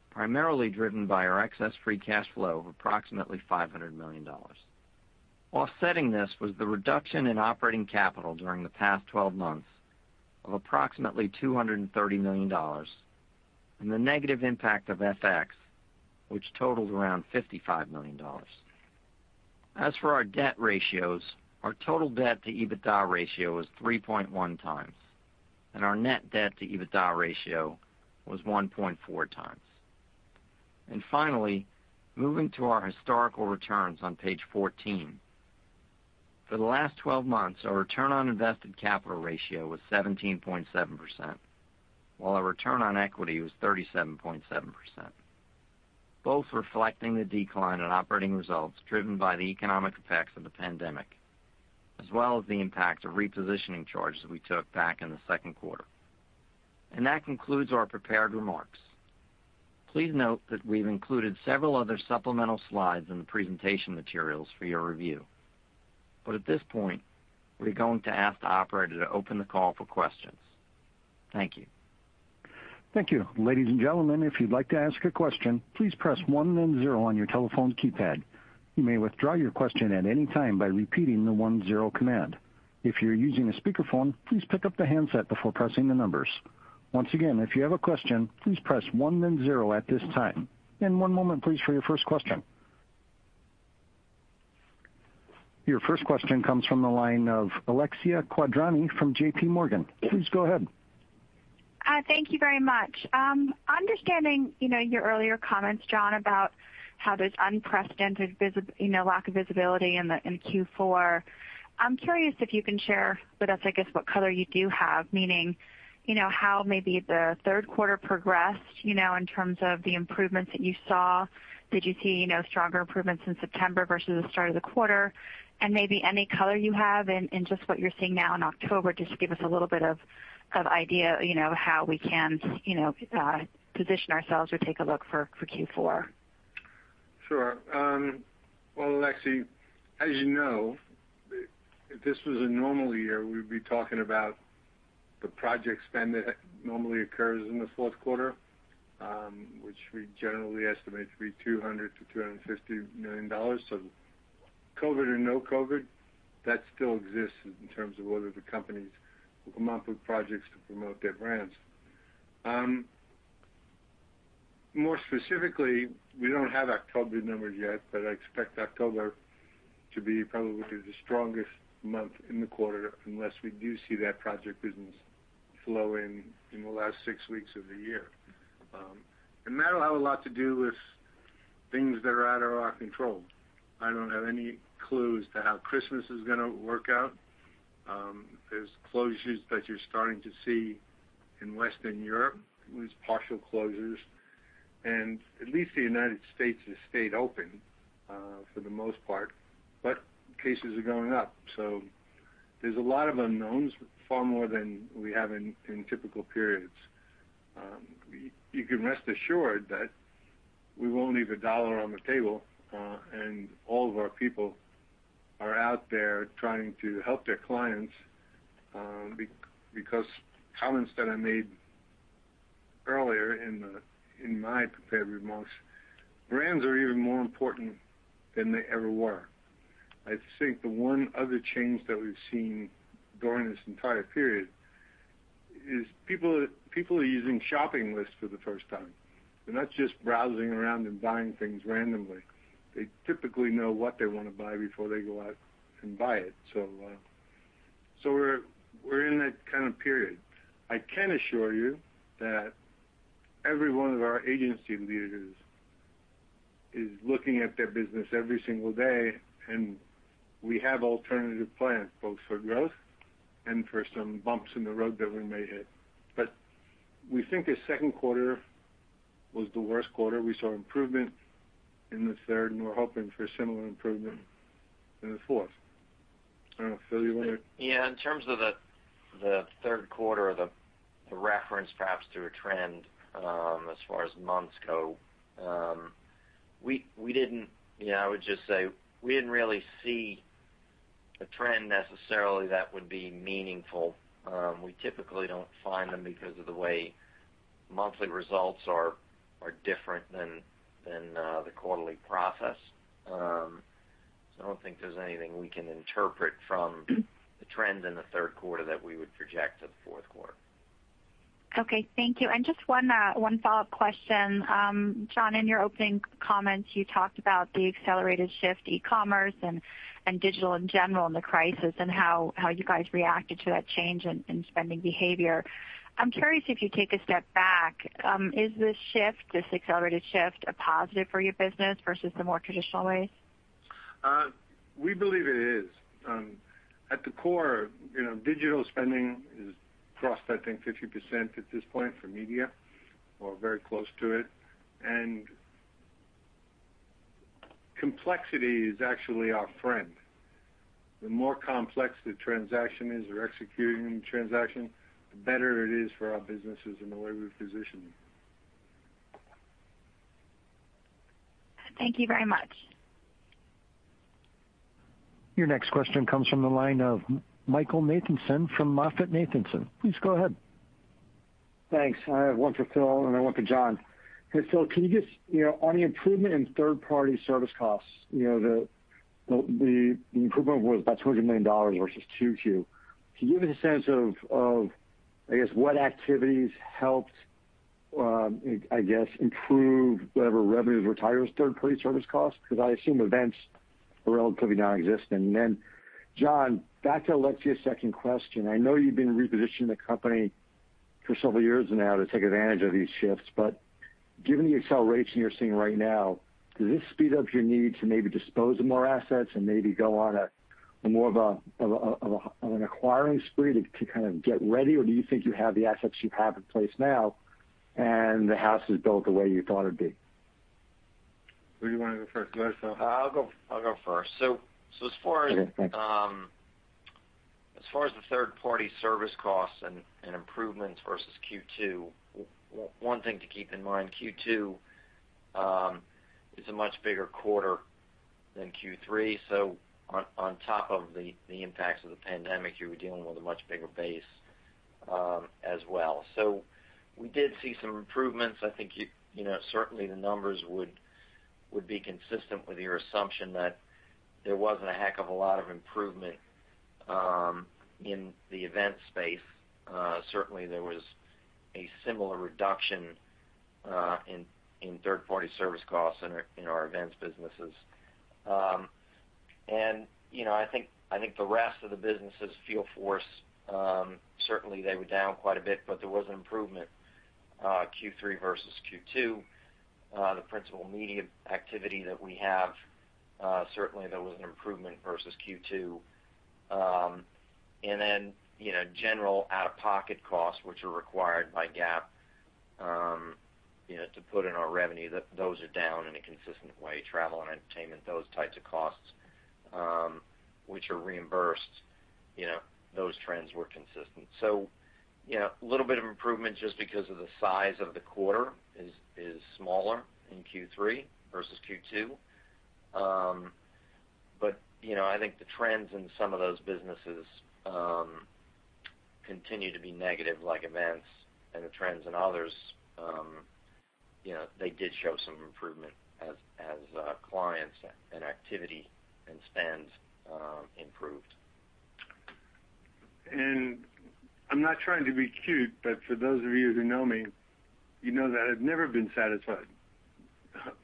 primarily driven by our excess free cash flow of approximately $500 million. Offsetting this was the reduction in operating capital during the past 12 months of approximately $230 million and the negative impact of FX, which totaled around $55 million. As for our debt ratios, our total debt-to-EBITDA ratio was 3.1 times, and our net debt-to-EBITDA ratio was 1.4 times. And finally, moving to our historical returns on page 14, for the last 12 months, our return on invested capital ratio was 17.7%, while our return on equity was 37.7%, both reflecting the decline in operating results driven by the economic effects of the pandemic, as well as the impact of repositioning charges we took back in the second quarter. And that concludes our prepared remarks. Please note that we've included several other supplemental slides in the presentation materials for your review. But at this point, we're going to ask the operator to open the call for questions. Thank you. Thank you. Ladies and gentlemen, if you'd like to ask a question, please press one and zero on your telephone keypad. You may withdraw your question at any time by repeating the one zero command. If you're using a speakerphone, please pick up the handset before pressing the numbers. Once again, if you have a question, please press one and zero at this time. One moment, please, for your first question. Your first question comes from the line of Alexia Quadrani from J.P. Morgan. Please go ahead. Thank you very much. Understanding your earlier comments, John, about how there's unprecedented lack of visibility in Q4, I'm curious if you can share with us, I guess, what color you do have, meaning how maybe the third quarter progressed in terms of the improvements that you saw. Did you see stronger improvements in September versus the start of the quarter? And maybe any color you have in just what you're seeing now in October just to give us a little bit of idea of how we can position ourselves or take a look for Q4. Sure. Well, Alexia, as you know, if this was a normal year, we'd be talking about the project spend that normally occurs in the fourth quarter, which we generally estimate to be $200 million-$250 million. So COVID and no COVID, that still exists in terms of whether the companies will come up with projects to promote their brands. More specifically, we don't have October numbers yet, but I expect October to be probably the strongest month in the quarter unless we do see that project business flow in in the last six weeks of the year. And that'll have a lot to do with things that are out of our control. I don't have any clues to how Christmas is going to work out. There's closures that you're starting to see in Western Europe, at least partial closures. At least the United States has stayed open for the most part, but cases are going up. There's a lot of unknowns, far more than we have in typical periods. You can rest assured that we won't leave a dollar on the table, and all of our people are out there trying to help their clients because comments that I made earlier in my prepared remarks, brands are even more important than they ever were. I think the one other change that we've seen during this entire period is people are using shopping lists for the first time. They're not just browsing around and buying things randomly. They typically know what they want to buy before they go out and buy it. We're in that kind of period. I can assure you that every one of our agency leaders is looking at their business every single day, and we have alternative plans, both for growth and for some bumps in the road that we may hit. But we think the second quarter was the worst quarter. We saw improvement in the third, and we're hoping for similar improvement in the fourth. I don't know. Phil, you want to? In terms of the third quarter, the reference perhaps to a trend as far as months go, we didn't really see a trend necessarily that would be meaningful. We typically don't find them because of the way monthly results are different than the quarterly process. So I don't think there's anything we can interpret from the trend in the third quarter that we would project to the fourth quarter. Okay. Thank you. And just one follow-up question. John, in your opening comments, you talked about the accelerated shift, e-commerce and digital in general in the crisis and how you guys reacted to that change in spending behavior. I'm curious if you take a step back. Is this shift, this accelerated shift, a positive for your business versus the more traditional ways? We believe it is. At the core, digital spending is across, I think, 50% at this point for media or very close to it. Complexity is actually our friend. The more complex the transaction is or executing the transaction, the better it is for our businesses and the way we're positioning. Thank you very much. Your next question comes from the line of Michael Nathanson from MoffettNathanson. Please go ahead. Thanks. I have one for Phil, and I have one for John. Hey, Phil, can you just, on the improvement in third-party service costs, the improvement was about $200 million versus Q2. Can you give us a sense of, I guess, what activities helped, I guess, improve whatever revenues were tied to those third-party service costs? Because I assume events are relatively nonexistent. And then, John, back to Alexia's second question. I know you've been repositioning the company for several years now to take advantage of these shifts. But given the acceleration you're seeing right now, does this speed up your need to maybe dispose of more assets and maybe go on a more of an acquiring spree to kind of get ready? Or do you think you have the assets you have in place now, and the house is built the way you thought it'd be? Who do you want to go first? Go ahead, Phil. I'll go first. So as far as the third-party service costs and improvements versus Q2, one thing to keep in mind, Q2 is a much bigger quarter than Q3. So on top of the impacts of the pandemic, you were dealing with a much bigger base as well. So we did see some improvements. I think certainly the numbers would be consistent with your assumption that there wasn't a heck of a lot of improvement in the event space. Certainly, there was a similar reduction in third-party service costs in our events businesses. And I think the rest of the businesses full force, certainly they were down quite a bit, but there was an improvement Q3 versus Q2. The principal media activity that we have, certainly there was an improvement versus Q2. And then general out-of-pocket costs, which are required by GAAP to put in our revenue, those are down in a consistent way. Travel and entertainment, those types of costs, which are reimbursed, those trends were consistent. So a little bit of improvement just because of the size of the quarter is smaller in Q3 versus Q2. But I think the trends in some of those businesses continue to be negative, like events, and the trends in others. They did show some improvement as clients and activity and spend improved. I'm not trying to be cute, but for those of you who know me, you know that I've never been satisfied.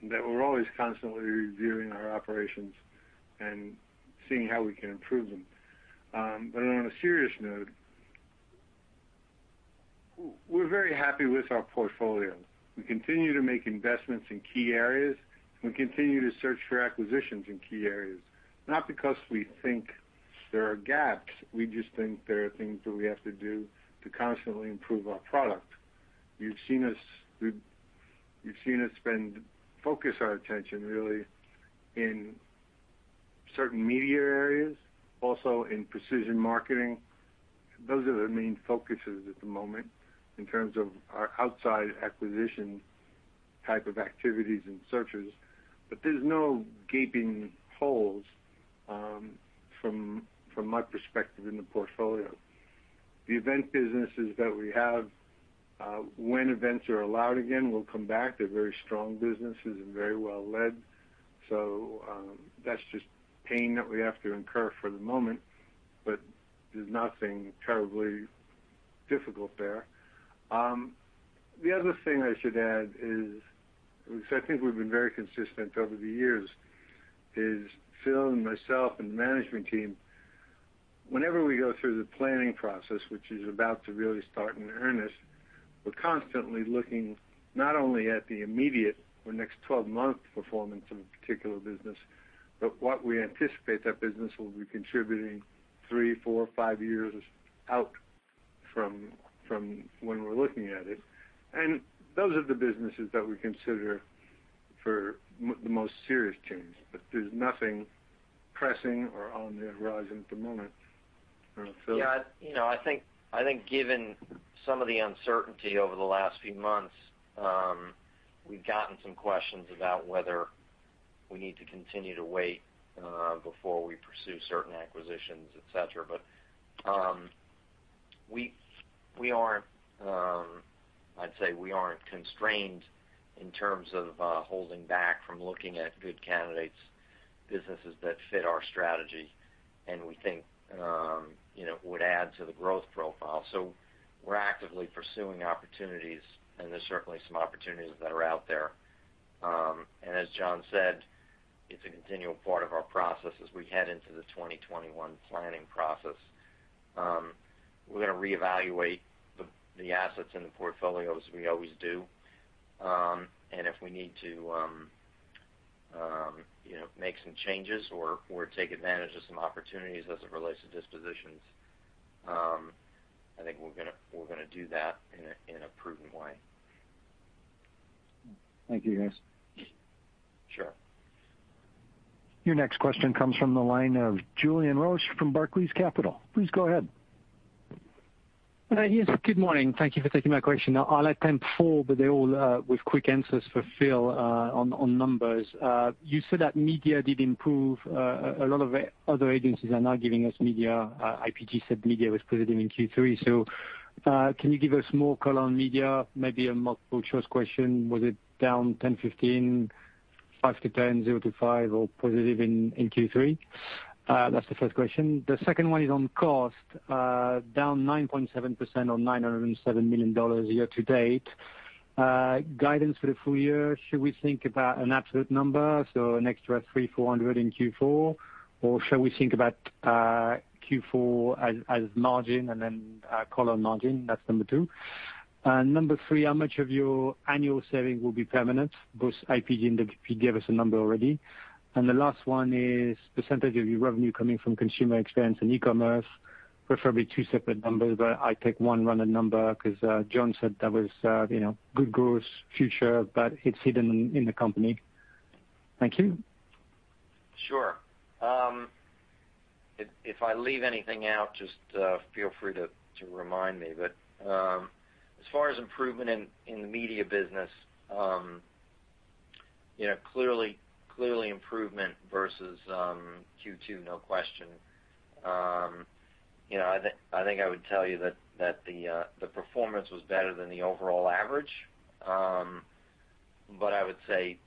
We're always constantly reviewing our operations and seeing how we can improve them. On a serious note, we're very happy with our portfolio. We continue to make investments in key areas. We continue to search for acquisitions in key areas. Not because we think there are gaps. We just think there are things that we have to do to constantly improve our product. You've seen us spend, focus our attention really in certain media areas, also in precision marketing. Those are the main focuses at the moment in terms of our outside acquisition type of activities and searches. There's no gaping holes from my perspective in the portfolio. The event businesses that we have, when events are allowed again, will come back. They're very strong businesses and very well led. So that's just pain that we have to incur for the moment, but there's nothing terribly difficult there. The other thing I should add is, because I think we've been very consistent over the years, is Phil and myself and the management team, whenever we go through the planning process, which is about to really start in earnest, we're constantly looking not only at the immediate or next 12-month performance of a particular business, but what we anticipate that business will be contributing three, four, five years out from when we're looking at it. And those are the businesses that we consider for the most serious change. But there's nothing pressing or on the horizon at the moment. Yeah. I think given some of the uncertainty over the last few months, we've gotten some questions about whether we need to continue to wait before we pursue certain acquisitions, etc. But I'd say we aren't constrained in terms of holding back from looking at good candidates, businesses that fit our strategy, and we think would add to the growth profile. So we're actively pursuing opportunities, and there's certainly some opportunities that are out there. And as John said, it's a continual part of our process as we head into the 2021 planning process. We're going to reevaluate the assets in the portfolio as we always do. And if we need to make some changes or take advantage of some opportunities as it relates to dispositions, I think we're going to do that in a prudent way. Thank you, guys. Sure. Your next question comes from the line of Julien Roch from Barclays Capital. Please go ahead. Yes. Good morning. Thank you for taking my question. I'll attempt four, but they're all with quick answers for Phil on numbers. You said that media did improve. A lot of other agencies are now giving us media. IPG said media was positive in Q3. So can you give us more color on media, maybe a multiple-choice question? Was it down 10-15, 5-10, 0-5, or positive in Q3? That's the first question. The second one is on cost. Down 9.7% or $907 million year to date. Guidance for the full year, should we think about an absolute number, so an extra 3-400 in Q4, or shall we think about Q4 as margin and then color on margin? That's number two. Number three, how much of your annual saving will be permanent? Both IPG and WPP gave us a number already. The last one is percentage of your revenue coming from consumer experience and e-commerce, preferably two separate numbers, but I take one running number because John said that was good growth, future, but it's hidden in the company. Thank you. Sure. If I leave anything out, just feel free to remind me. But as far as improvement in the media business, clearly improvement versus Q2, no question. I think I would tell you that the performance was better than the overall average, but I would say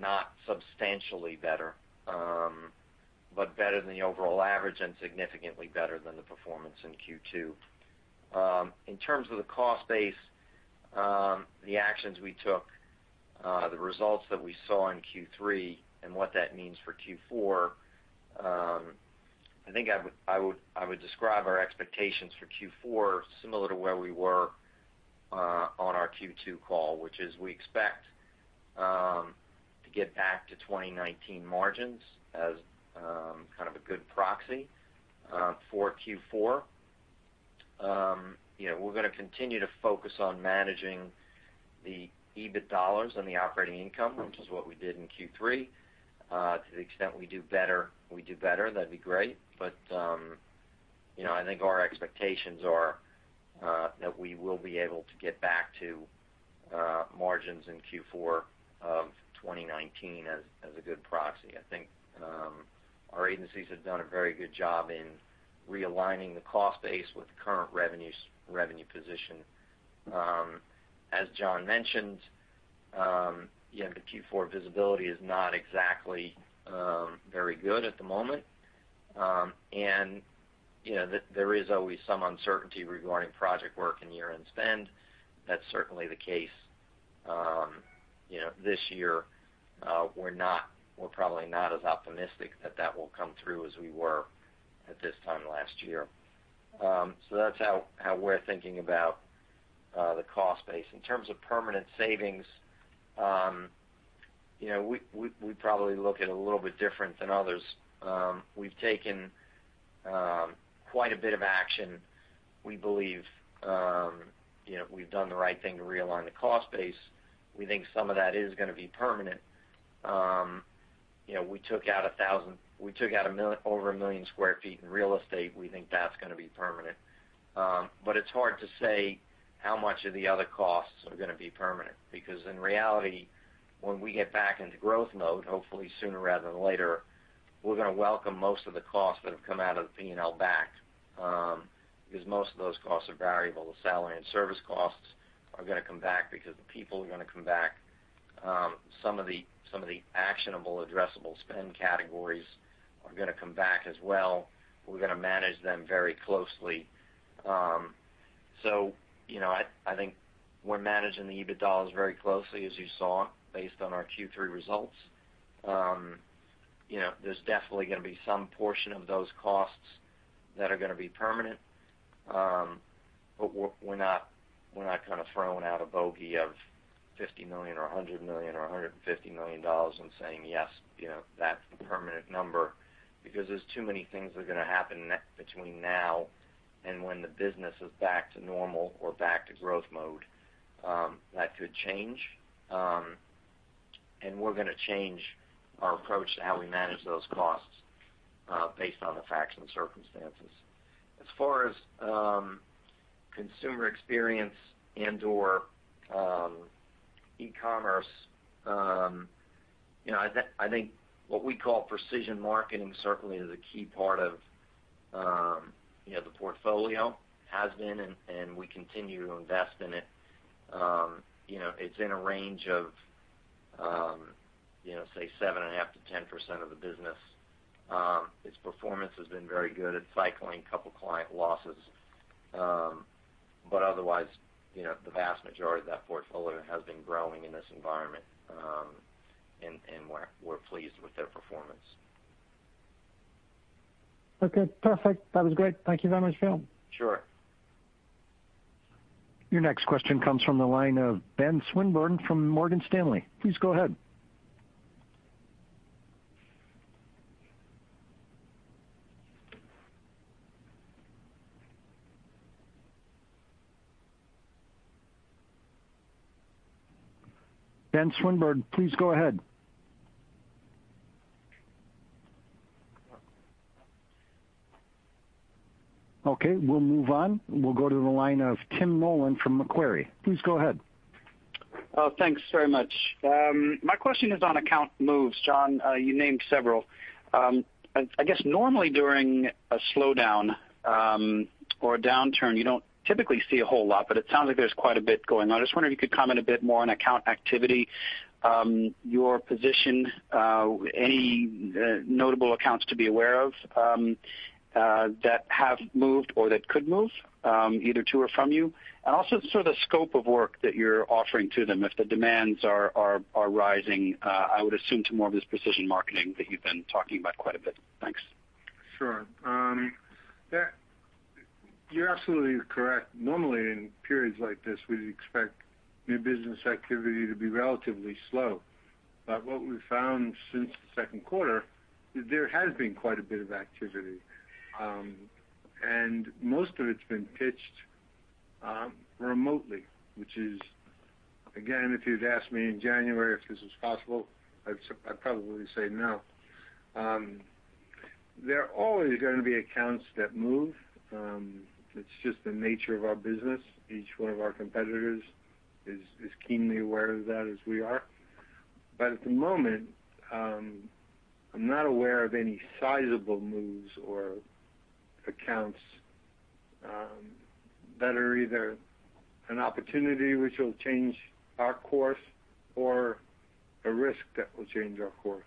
not substantially better, but better than the overall average and significantly better than the performance in Q2. In terms of the cost base, the actions we took, the results that we saw in Q3, and what that means for Q4, I think I would describe our expectations for Q4 similar to where we were on our Q2 call, which is we expect to get back to 2019 margins as kind of a good proxy for Q4. We're going to continue to focus on managing the EBIT dollars and the operating income, which is what we did in Q3. To the extent we do better, we do better. That'd be great. But I think our expectations are that we will be able to get back to margins in Q4 of 2019 as a good proxy. I think our agencies have done a very good job in realigning the cost base with the current revenue position. As John mentioned, the Q4 visibility is not exactly very good at the moment. And there is always some uncertainty regarding project work and year-end spend. That's certainly the case this year. We're probably not as optimistic that that will come through as we were at this time last year. So that's how we're thinking about the cost base. In terms of permanent savings, we probably look at it a little bit different than others. We've taken quite a bit of action. We believe we've done the right thing to realign the cost base. We think some of that is going to be permanent. We took out over 1 million sq ft in real estate. We think that's going to be permanent. But it's hard to say how much of the other costs are going to be permanent because, in reality, when we get back into growth mode, hopefully sooner rather than later, we're going to welcome most of the costs that have come out of the P&L back because most of those costs are variable. The salary and service costs are going to come back because the people are going to come back. Some of the actionable, addressable spend categories are going to come back as well. We're going to manage them very closely. So I think we're managing the EBIT dollars very closely, as you saw, based on our Q3 results. There's definitely going to be some portion of those costs that are going to be permanent. But we're not kind of throwing out a bogey of $50 million or $100 million or $150 million and saying, "Yes, that's a permanent number," because there's too many things that are going to happen between now and when the business is back to normal or back to growth mode. That could change, and we're going to change our approach to how we manage those costs based on the facts and circumstances. As far as consumer experience and/or e-commerce, I think what we call precision marketing certainly is a key part of the portfolio, has been, and we continue to invest in it. It's in a range of, say, 7.5%-10% of the business. Its performance has been very good at cycling a couple of client losses. But otherwise, the vast majority of that portfolio has been growing in this environment, and we're pleased with their performance. Okay. Perfect. That was great. Thank you very much, Phil. Sure. Your next question comes from the line of Ben Swinburne from Morgan Stanley. Please go ahead. Ben Swinburne, please go ahead. Okay. We'll move on. We'll go to the line of Tim Nollen from Macquarie. Please go ahead. Thanks very much. My question is on account moves. John, you named several. I guess normally during a slowdown or a downturn, you don't typically see a whole lot, but it sounds like there's quite a bit going on. I just wonder if you could comment a bit more on account activity, your position, any notable accounts to be aware of that have moved or that could move, either to or from you, and also sort of the scope of work that you're offering to them if the demands are rising. I would assume to more of this precision marketing that you've been talking about quite a bit. Thanks. Sure. You're absolutely correct. Normally, in periods like this, we'd expect new business activity to be relatively slow. But what we found since the second quarter is there has been quite a bit of activity. And most of it's been pitched remotely, which is, again, if you'd asked me in January if this was possible, I'd probably say no. There are always going to be accounts that move. It's just the nature of our business. Each one of our competitors is keenly aware of that as we are. But at the moment, I'm not aware of any sizable moves or accounts that are either an opportunity which will change our course or a risk that will change our course.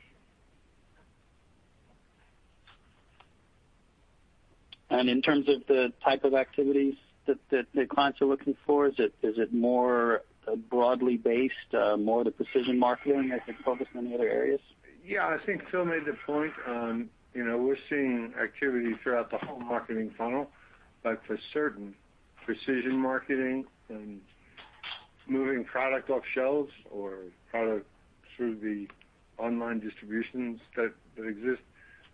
In terms of the type of activities that the clients are looking for, is it more broadly based, more the precision marketing as they focus on the other areas? Yeah. I think Phil made the point. We're seeing activity throughout the whole marketing funnel, but for certain precision marketing and moving product off shelves or product through the online distributions that exist,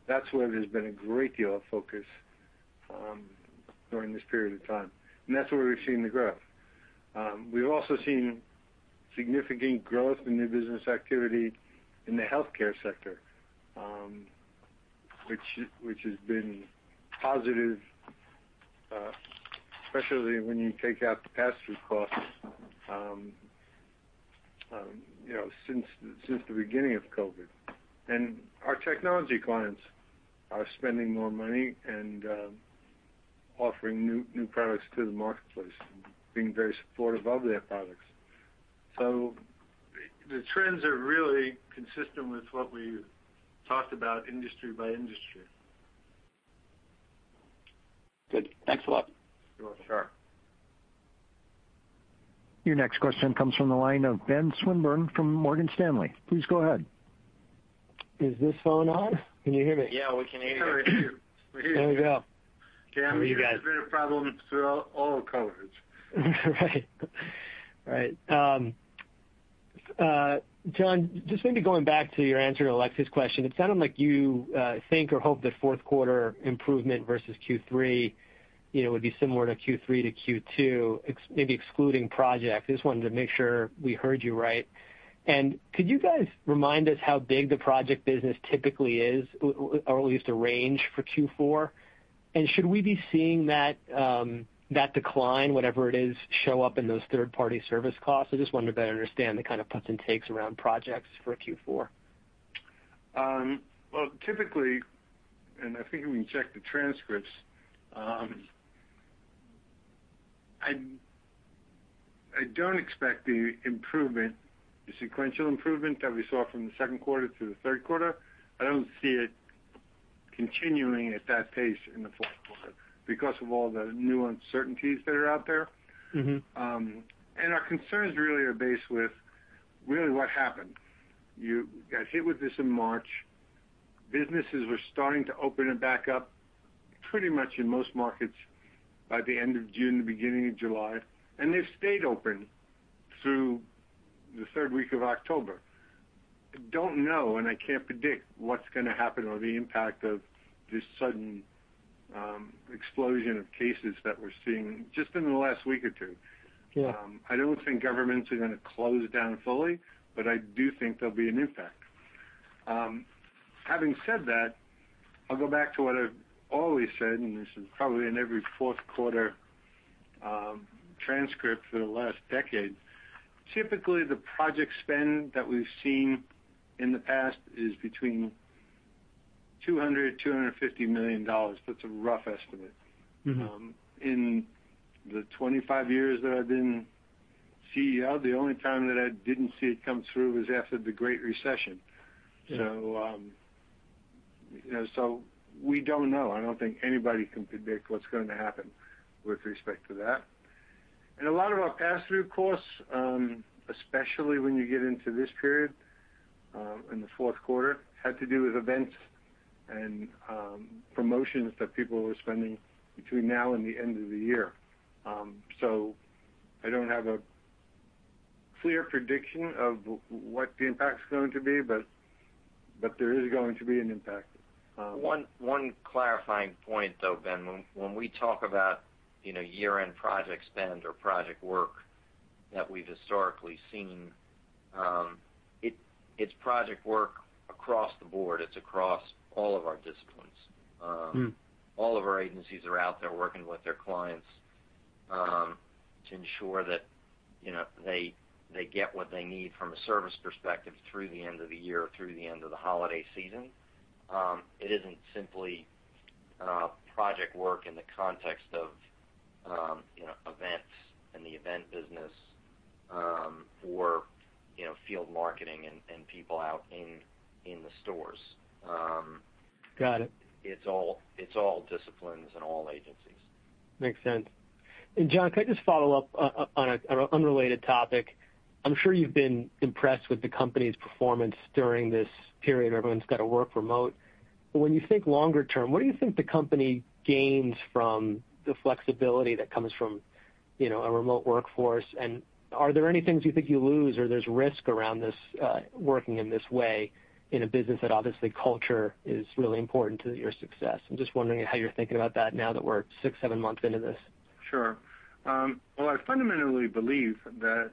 that's where there's been a great deal of focus during this period of time. And that's where we've seen the growth. We've also seen significant growth in new business activity in the healthcare sector, which has been positive, especially when you take out the pass-through costs since the beginning of COVID. And our technology clients are spending more money and offering new products to the marketplace, being very supportive of their products. So the trends are really consistent with what we talked about industry by industry. Good. Thanks a lot. You're welcome. Sure. Your next question comes from the line of Ben Swinburne from Morgan Stanley. Please go ahead. Is this phone on? Can you hear me? Yeah. We can hear you. We hear you. There you go. Yeah. It's been a problem throughout all of COVID. Right. Right. John, just maybe going back to your answer to Alex's question, it sounded like you think or hope that fourth quarter improvement versus Q3 would be similar to Q3 to Q2, maybe excluding project. I just wanted to make sure we heard you right. And could you guys remind us how big the project business typically is, or at least a range for Q4? And should we be seeing that decline, whatever it is, show up in those third-party service costs? I just wanted to better understand the kind of puts and takes around projects for Q4. Typically, and I think we can check the transcripts, I don't expect the improvement, the sequential improvement that we saw from the second quarter to the third quarter. I don't see it continuing at that pace in the fourth quarter because of all the new uncertainties that are out there, and our concerns really are based with really what happened. You got hit with this in March. Businesses were starting to open it back up pretty much in most markets by the end of June, beginning of July, and they've stayed open through the third week of October. I don't know, and I can't predict what's going to happen or the impact of this sudden explosion of cases that we're seeing just in the last week or two. I don't think governments are going to close down fully, but I do think there'll be an impact. Having said that, I'll go back to what I've always said, and this is probably in every fourth quarter transcript for the last decade. Typically, the project spend that we've seen in the past is between $200 million and $250 million. That's a rough estimate. In the 25 years that I've been CEO, the only time that I didn't see it come through was after the Great Recession, so we don't know. I don't think anybody can predict what's going to happen with respect to that, and a lot of our pass-through costs, especially when you get into this period in the fourth quarter, had to do with events and promotions that people were spending between now and the end of the year, so I don't have a clear prediction of what the impact's going to be, but there is going to be an impact. One clarifying point though, Ben, when we talk about year-end project spend or project work that we've historically seen, it's project work across the Board. It's across all of our disciplines. All of our agencies are out there working with their clients to ensure that they get what they need from a service perspective through the end of the year or through the end of the holiday season. It isn't simply project work in the context of events and the event business or field marketing and people out in the stores. Got it. It's all disciplines and all agencies. Makes sense. And John, can I just follow up on an unrelated topic? I'm sure you've been impressed with the company's performance during this period. Everyone's got to work remote. But when you think longer term, what do you think the company gains from the flexibility that comes from a remote workforce? And are there any things you think you lose or there's risk around working in this way in a business that obviously culture is really important to your success? I'm just wondering how you're thinking about that now that we're six, seven months into this. Sure. Well, I fundamentally believe that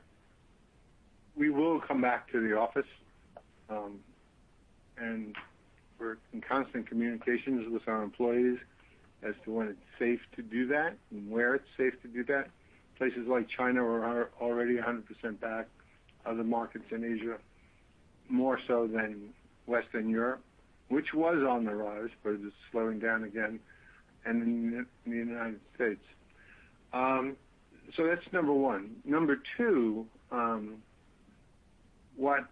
we will come back to the office, and we're in constant communications with our employees as to when it's safe to do that and where it's safe to do that. Places like China are already 100% back in the markets in Asia, more so than Western Europe, which was on the rise, but it's slowing down again, and in the United States. So that's number one. Number two, what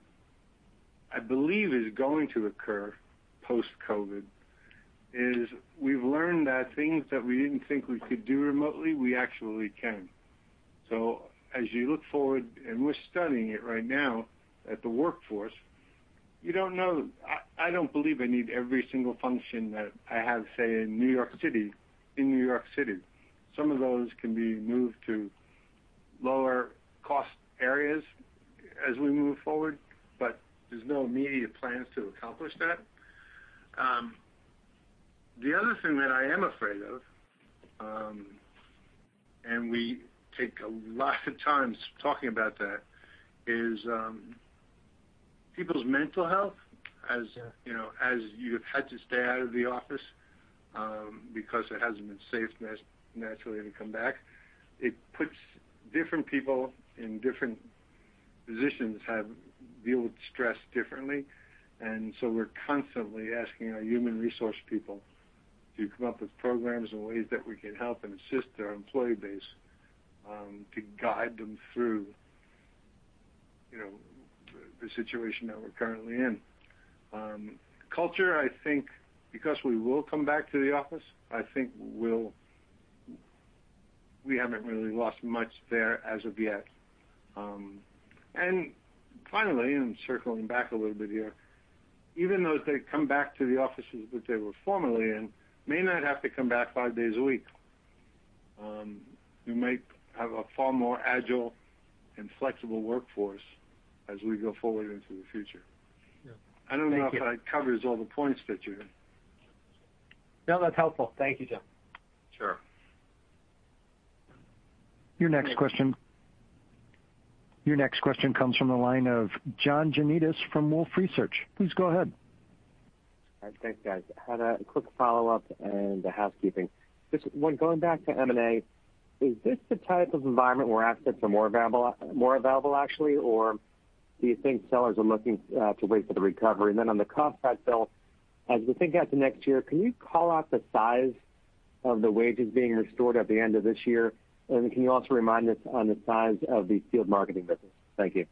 I believe is going to occur post-COVID is we've learned that things that we didn't think we could do remotely, we actually can. So as you look forward, and we're studying it right now of the workforce, you don't know. I don't believe I need every single function that I have, say, in New York City, in New York City. Some of those can be moved to lower cost areas as we move forward, but there's no immediate plans to accomplish that. The other thing that I am afraid of, and we take a lot of time talking about that, is people's mental health. As you've had to stay out of the office because it hasn't been safe naturally to come back, it puts different people in different positions, have dealt with stress differently, and so we're constantly asking our human resource people to come up with programs and ways that we can help and assist our employee base to guide them through the situation that we're currently in. Culture, I think, because we will come back to the office, I think we haven't really lost much there as of yet. And finally, and circling back a little bit here, even those that come back to the offices that they were formerly in may not have to come back five days a week. We might have a far more agile and flexible workforce as we go forward into the future. I don't know if that covers all the points that you're. No, that's helpful. Thank you, John. Sure. Your next question. Your next question comes from the line of John Janedis from Wolfe Research. Please go ahead. Thanks, guys. Had a quick follow-up and the housekeeping. Just going back to M&A, is this the type of environment where assets are more available actually, or do you think sellers are looking to wait for the recovery? And then on the cost cut bill, as we think out to next year, can you call out the size of the wages being restored at the end of this year? And can you also remind us on the size of the field marketing business? Thank you.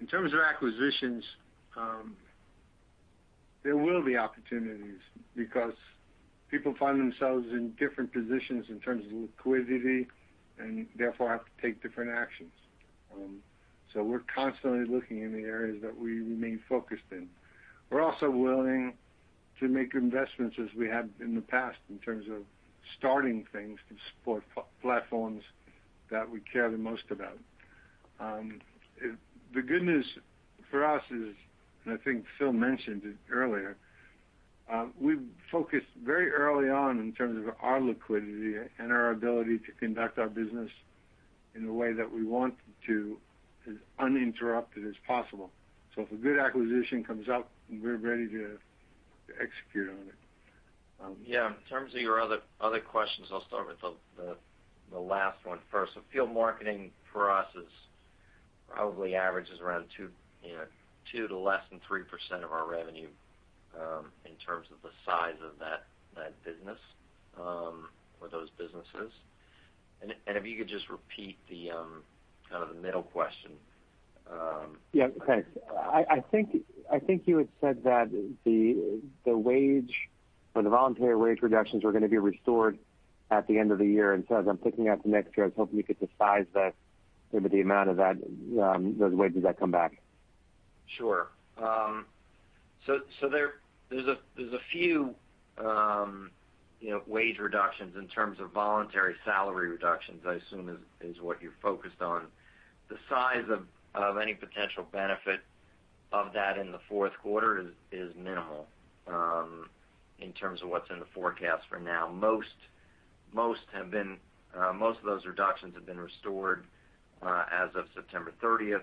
In terms of acquisitions, there will be opportunities because people find themselves in different positions in terms of liquidity and therefore have to take different actions. So we're constantly looking in the areas that we remain focused in. We're also willing to make investments as we have in the past in terms of starting things to support platforms that we care the most about. The good news for us is, and I think Phil mentioned it earlier, we focused very early on in terms of our liquidity and our ability to conduct our business in the way that we want to, as uninterrupted as possible. So if a good acquisition comes up, we're ready to execute on it. Yeah. In terms of your other questions, I'll start with the last one first. So field marketing for us probably averages around 2% to less than 3% of our revenue in terms of the size of that business or those businesses. And if you could just repeat kind of the middle question? Yeah. Thanks. I think you had said that the wage or the voluntary wage reductions were going to be restored at the end of the year. And so as I'm thinking out to next year, I was hoping you could decide that maybe the amount of those wages that come back. Sure. So there's a few wage reductions in terms of voluntary salary reductions, I assume, is what you're focused on. The size of any potential benefit of that in the fourth quarter is minimal in terms of what's in the forecast for now. Most of those reductions have been restored as of September 30th.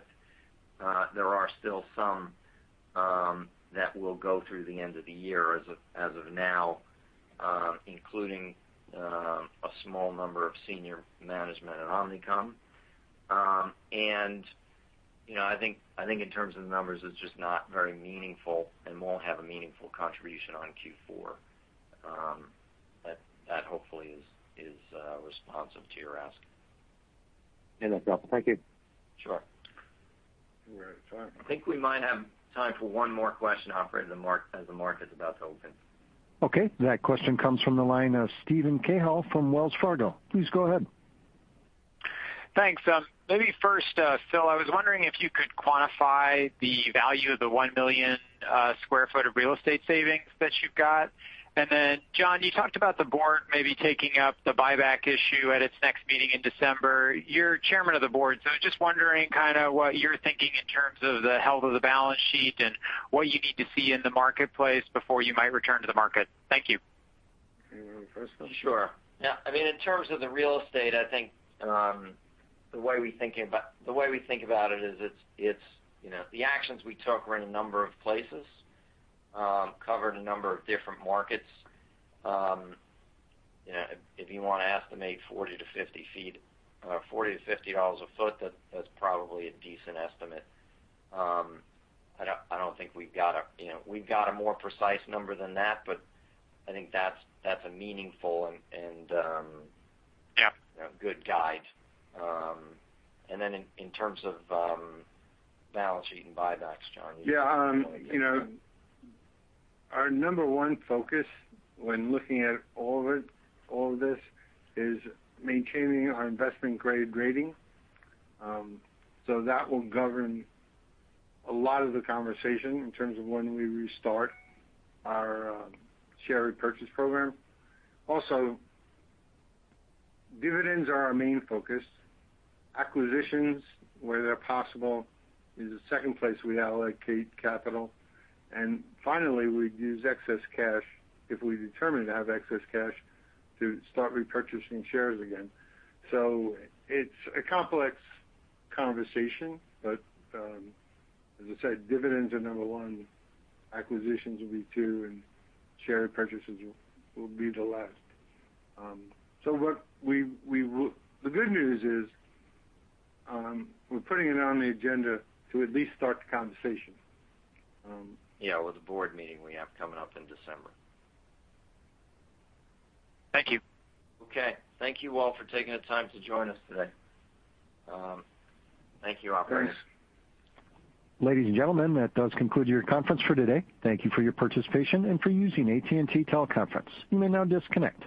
There are still some that will go through the end of the year as of now, including a small number of senior management at Omnicom. And I think in terms of the numbers, it's just not very meaningful and won't have a meaningful contribution on Q4. That hopefully is responsive to your ask. End of thought. Thank you. Sure. We're at time. I think we might have time for one more question as the market's about to open. Okay. That question comes from the line of Steven Cahill from Wells Fargo. Please go ahead. Thanks. Maybe first, Phil, I was wondering if you could quantify the value of the 1 million sq ft of real estate savings that you've got. And then, John, you talked about the Board maybe taking up the buyback issue at its next meeting in December. You're chairman of the Board, so just wondering kind of what you're thinking in terms of the health of the balance sheet and what you need to see in the marketplace before you might return to the market. Thank you. Can you repeat the first one? Sure. Yeah. I mean, in terms of the real estate, I think the way we think about the way we think about it is the actions we took were in a number of places, covered a number of different markets. If you want to estimate 40 feet-50 feet, $40-$50 a foot, that's probably a decent estimate. I don't think we've got a more precise number than that, but I think that's a meaningful and good guide, and then in terms of balance sheet and buybacks, John, you can tell me about that. Yeah. Our number one focus when looking at all of this is maintaining our investment-grade rating. So that will govern a lot of the conversation in terms of when we restart our share repurchase program. Also, dividends are our main focus. Acquisitions, where they're possible, is the second place we allocate capital. And finally, we'd use excess cash if we determine to have excess cash to start repurchasing shares again. So it's a complex conversation, but as I said, dividends are number one, acquisitions will be two, and share repurchases will be the last. So the good news is we're putting it on the agenda to at least start the conversation. Yeah. With the Board meeting we have coming up in December. Thank you. Okay. Thank you all for taking the time to join us today. Thank you, operators. Thanks. Ladies and gentlemen, that does conclude your conference for today. Thank you for your participation and for using AT&T Teleconference. You may now disconnect.